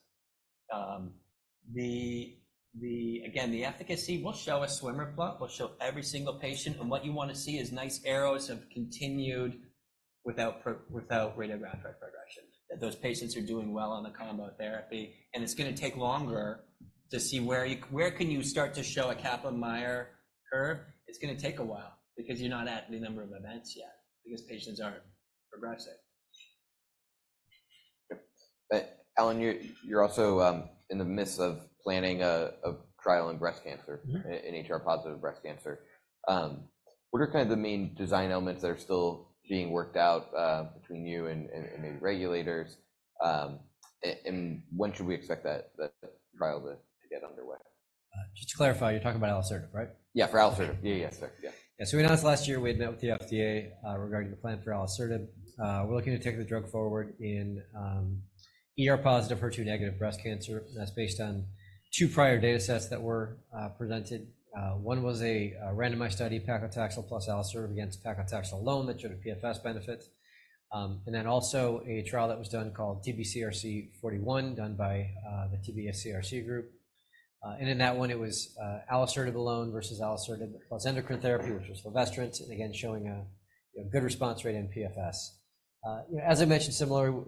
Again, the efficacy, we'll show a swimmer plot. We'll show every single patient. And what you want to see is nice arrows of continued without radiographic progression, that those patients are doing well on the combo therapy. And it's going to take longer to see where you can start to show a Kaplan-Meier curve? It's going to take a while because you're not at the number of events yet because patients aren't progressing. Alan, you're also in the midst of planning a trial in breast cancer, an HR-positive breast cancer. What are kind of the main design elements that are still being worked out between you and maybe regulators? And when should we expect that trial to get underway? Just to clarify, you're talking about alisertib, right? Yeah, for alisertib. Yeah, yeah, sir. Yeah. Yeah. So we announced last year we had met with the FDA regarding the plan for alisertib. We're looking to take the drug forward in ER-positive, HER2-negative breast cancer. That's based on two prior data sets that were presented. One was a randomized study, paclitaxel plus alisertib against paclitaxel alone that showed a PFS benefit. And then also a trial that was done called TBCRC 041 done by the TBCRC group. And in that one, it was alisertib alone versus alisertib plus endocrine therapy, which was fulvestrant, and again, showing a good response rate in PFS. You know, as I mentioned, similarly,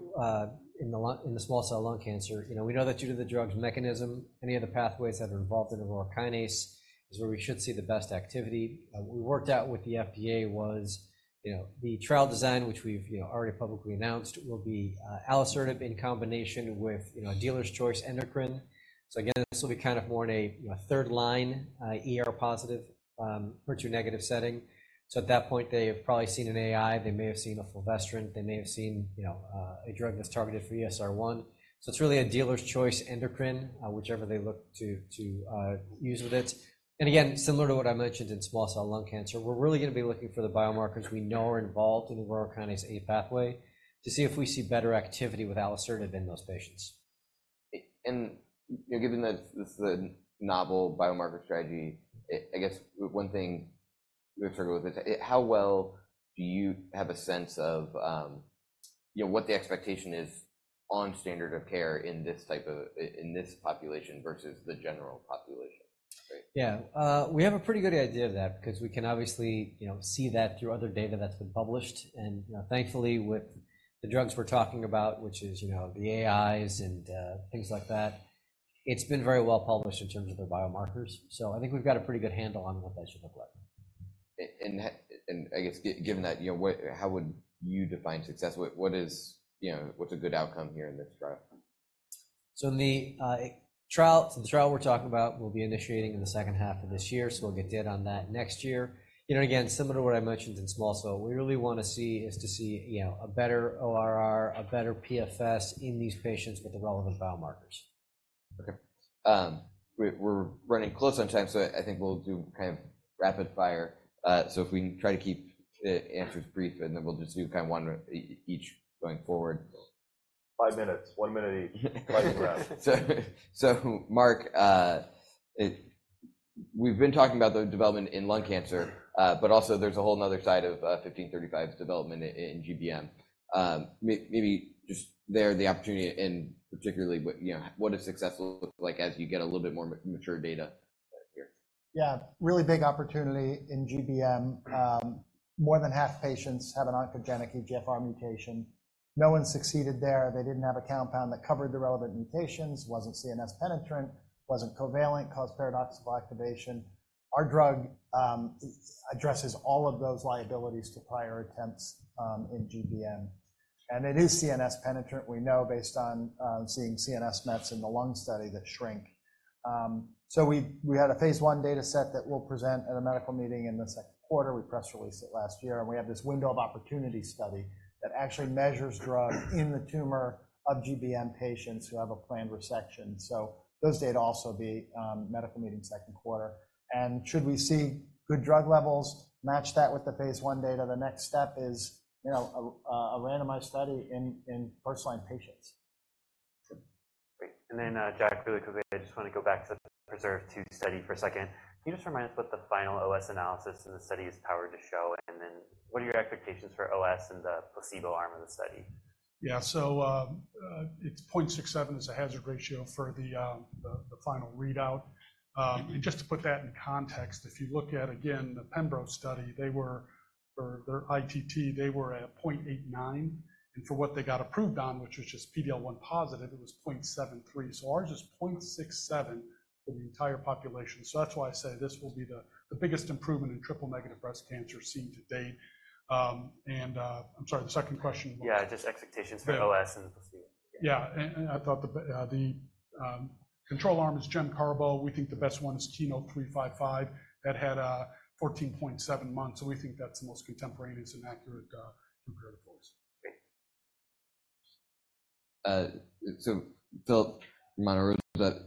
in the small cell lung cancer, you know, we know that due to the drug's mechanism, any of Aurora kinase A is where we should see the best activity. What we worked out with the FDA was, you know, the trial design, which we've, you know, already publicly announced, will be alisertib in combination with, you know, a dealer's choice endocrine. So again, this will be kind of more in a, you know, third-line, ER-positive, HER2-negative setting. So at that point, they have probably seen an AI. They may have seen a fulvestrant. They may have seen, you know, a drug that's targeted for ESR1. So it's really a dealer's choice endocrine, whichever they look to, to use with it. And again, similar to what I mentioned in small cell lung cancer, we're really going to be looking for the biomarkers in Aurora kinase A pathway to see if we see better activity with alisertib in those patients. You know, given that this is a novel biomarker strategy, I guess one thing we struggle with is how well do you have a sense of, you know, what the expectation is on standard of care in this population versus the general population, right? Yeah, we have a pretty good idea of that because we can obviously, you know, see that through other data that's been published. And, you know, thankfully, with the drugs we're talking about, which is, you know, the AIs and, things like that, it's been very well-published in terms of their biomarkers. So I think we've got a pretty good handle on what that should look like. And I guess, given that, you know, what, how would you define success? What is, you know, what's a good outcome here in this trial? So in the trial we're talking about, we'll be initiating in the second half of this year. So we'll get data on that next year. You know, and again, similar to what I mentioned in small cell, what we really want to see is, you know, a better ORR, a better PFS in these patients with the relevant biomarkers. Okay. We're running close on time, so I think we'll do kind of rapid fire. So if we can try to keep the answers brief, and then we'll just do kind of one each going forward. Five minutes. Five minute each. Five breaths. Mark, we've been talking about the development in lung cancer, but also there's a whole nother side of 1535's development in GBM. Maybe just there, the opportunity and particularly what, you know, what does success look like as you get a little bit more mature data here? Yeah. Really big opportunity in GBM. More than half patients have an oncogenic EGFR mutation. No one succeeded there. They didn't have a compound that covered the relevant mutations, wasn't CNS penetrant, wasn't covalent, caused paradoxical activation. Our drug addresses all of those liabilities to prior attempts in GBM. And it is CNS penetrant, we know, based on seeing CNS mets in the lung study that shrink. So we, we had a phase I data set that we'll present at a medical meeting in the second quarter. We press-released it last year. And we have this window of opportunity study that actually measures drug in the tumor of GBM patients who have a planned resection. So those data also will be medical meeting second quarter. Should we see good drug levels, match that with the phase I data, the next step is, you know, a randomized study in first-line patients. Great. And then, Jack, really quickly, I just want to go back to the PRESERVE 2 study for a second. Can you just remind us what the final OS analysis in the study is powered to show? And then what are your expectations for OS and the placebo arm of the study? Yeah. So, it's 0.67 as a hazard ratio for the, the final readout. And just to put that in context, if you look at, again, the pembro study, they were for their ITT, they were at 0.89. And for what they got approved on, which was just PD-L1 positive, it was 0.73. So ours is 0.67 for the entire population. So that's why I say this will be the biggest improvement in triple-negative breast cancer seen to date. And, I'm sorry, the second question was. Yeah, just expectations for OS and the placebo. Yeah. And I thought the control arm is Gem Carbo. We think the best one is KEYNOTE-355. That had 14.7 months. So we think that's the most contemporaneous and accurate comparative for us. Great. So Fil, Monte Rosa,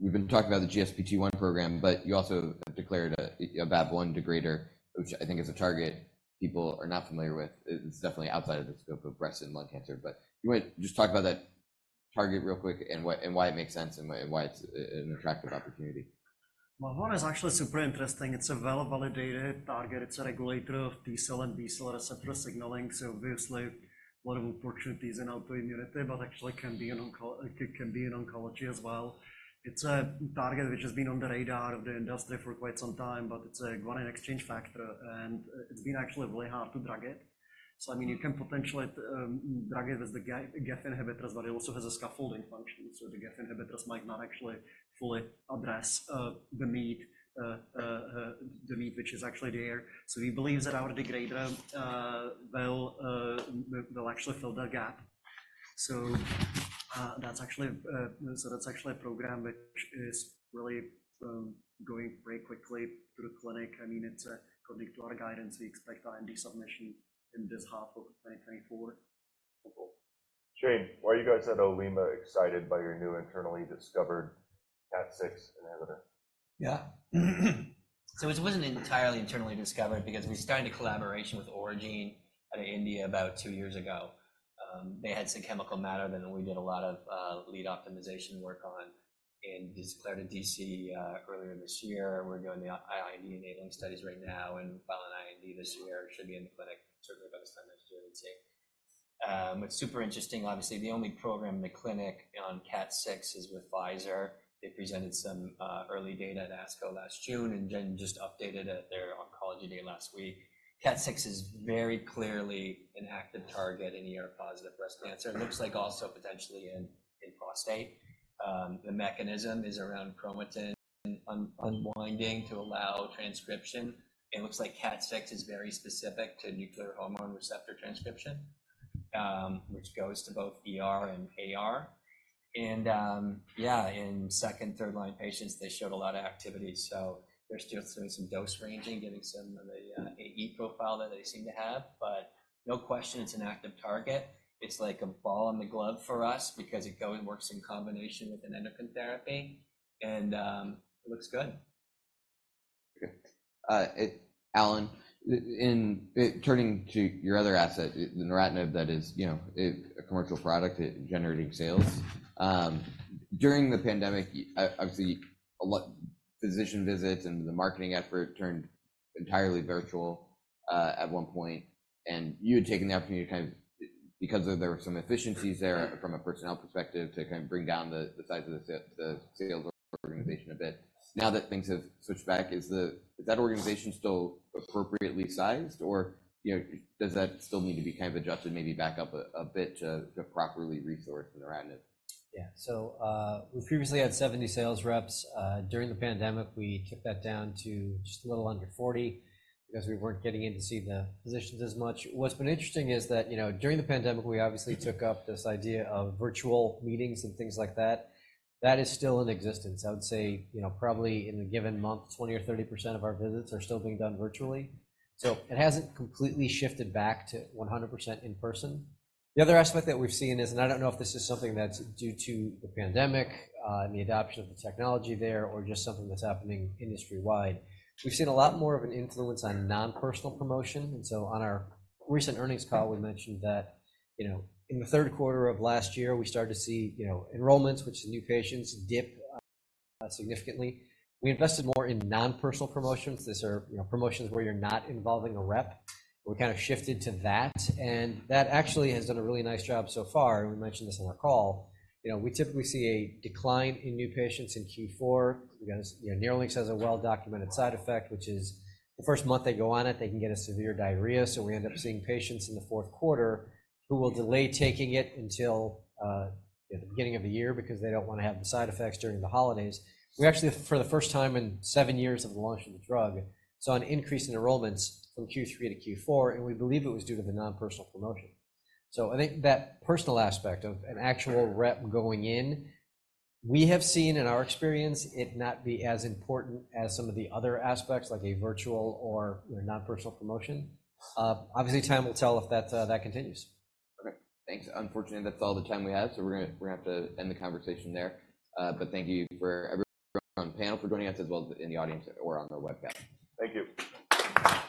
we've been talking about the GSPT1 program, but you also have declared a VAV1 degrader, which I think is a target people are not familiar with. It's definitely outside of the scope of breast and lung cancer. But you want to just talk about that target real quick and why it makes sense and why it's an attractive opportunity? Well, one is actually super interesting. It's a well-validated target. It's a regulator of T-cell and B-cell receptor signaling. So obviously, a lot of opportunities in autoimmunity, but actually can be in oncology as well. It's a target which has been on the radar of the industry for quite some time, but it's a guanine exchange factor. And it's been actually really hard to drug it. So, I mean, you can potentially drug it with the GEF inhibitors, but it also has a scaffolding function. So the GEF inhibitors might not actually fully address the meat which is actually there. So we believe that our degrader will actually fill that gap. So, that's actually a program which is really going very quickly through the clinic. I mean, it's on track to our guidance. We expect IND submission in this half of 2024. Shane, while you guys at Olema excited by your new internally discovered KAT6 inhibitor? Yeah. So it wasn't entirely internally discovered because we started a collaboration with Aurigene out of India about two years ago. They had some chemical matter that we did a lot of lead optimization work on and just declared IND earlier this year. We're doing the IND enabling studies right now and filing IND this year. It should be in the clinic, certainly by the time next year, we'd see. What's super interesting, obviously, the only program in the clinic on KAT6 is with Pfizer. They presented some early data at ASCO last June and then just updated at their oncology day last week. KAT6 is very clearly an active target in ER-positive breast cancer. It looks like also potentially in prostate. The mechanism is around chromatin unwinding to allow transcription. It looks like KAT6 is very specific to nuclear hormone receptor transcription, which goes to both and AR. And yeah, in second, third-line patients, they showed a lot of activity. So they're still doing some dose ranging, getting some of the AE profile that they seem to have. But no question, it's an active target. It's like a ball in the glove for us because it goes and works in combination with an endocrine therapy. And it looks good. Okay. Alan, in turning to your other asset, the neratinib that is, you know, a commercial product generating sales, during the pandemic, obviously, a lot of physician visits and the marketing effort turned entirely virtual, at one point. You had taken the opportunity to kind of because there were some efficiencies there from a personnel perspective to kind of bring down the size of the sales organization a bit. Now that things have switched back, is that organization still appropriately sized, or, you know, does that still need to be kind of adjusted, maybe back up a bit to properly resource the neratinib? Yeah. So, we previously had 70 sales reps during the pandemic, we took that down to just a little under 40 because we weren't getting in to see the physicians as much. What's been interesting is that, you know, during the pandemic, we obviously took up this idea of virtual meetings and things like that. That is still in existence. I would say, you know, probably in a given month, 20% or 30% of our visits are still being done virtually. So it hasn't completely shifted back to 100% in person. The other aspect that we've seen is, and I don't know if this is something that's due to the pandemic, and the adoption of the technology there, or just something that's happening industry-wide, we've seen a lot more of an influence on nonpersonal promotion. And so on our recent earnings call, we mentioned that, you know, in the third quarter of last year, we started to see, you know, enrollments, which is new patients, dip significantly. We invested more in nonpersonal promotions. These are, you know, promotions where you're not involving a rep. We kind of shifted to that. And that actually has done a really nice job so far. We mentioned this on our call. You know, we typically see a decline in new patients in Q4. We got a Nerlynx has a well-documented side effect, which is the first month they go on it, they can get a severe diarrhea. So we end up seeing patients in the fourth quarter who will delay taking it until the beginning of the year because they don't want to have the side effects during the holidays. We actually, for the first time in seven years of the launch of the drug, saw an increase in enrollments from Q3 to Q4. And we believe it was due to the nonpersonal promotion. So I think that personal aspect of an actual rep going in, we have seen in our experience it not be as important as some of the other aspects, like a virtual or nonpersonal promotion. Obviously, time will tell if that continues. Okay. Thanks. Unfortunately, that's all the time we have. So we're going to have to end the conversation there. Thank you for everyone on the panel for joining us, as well as in the audience or on the webcast. Thank you.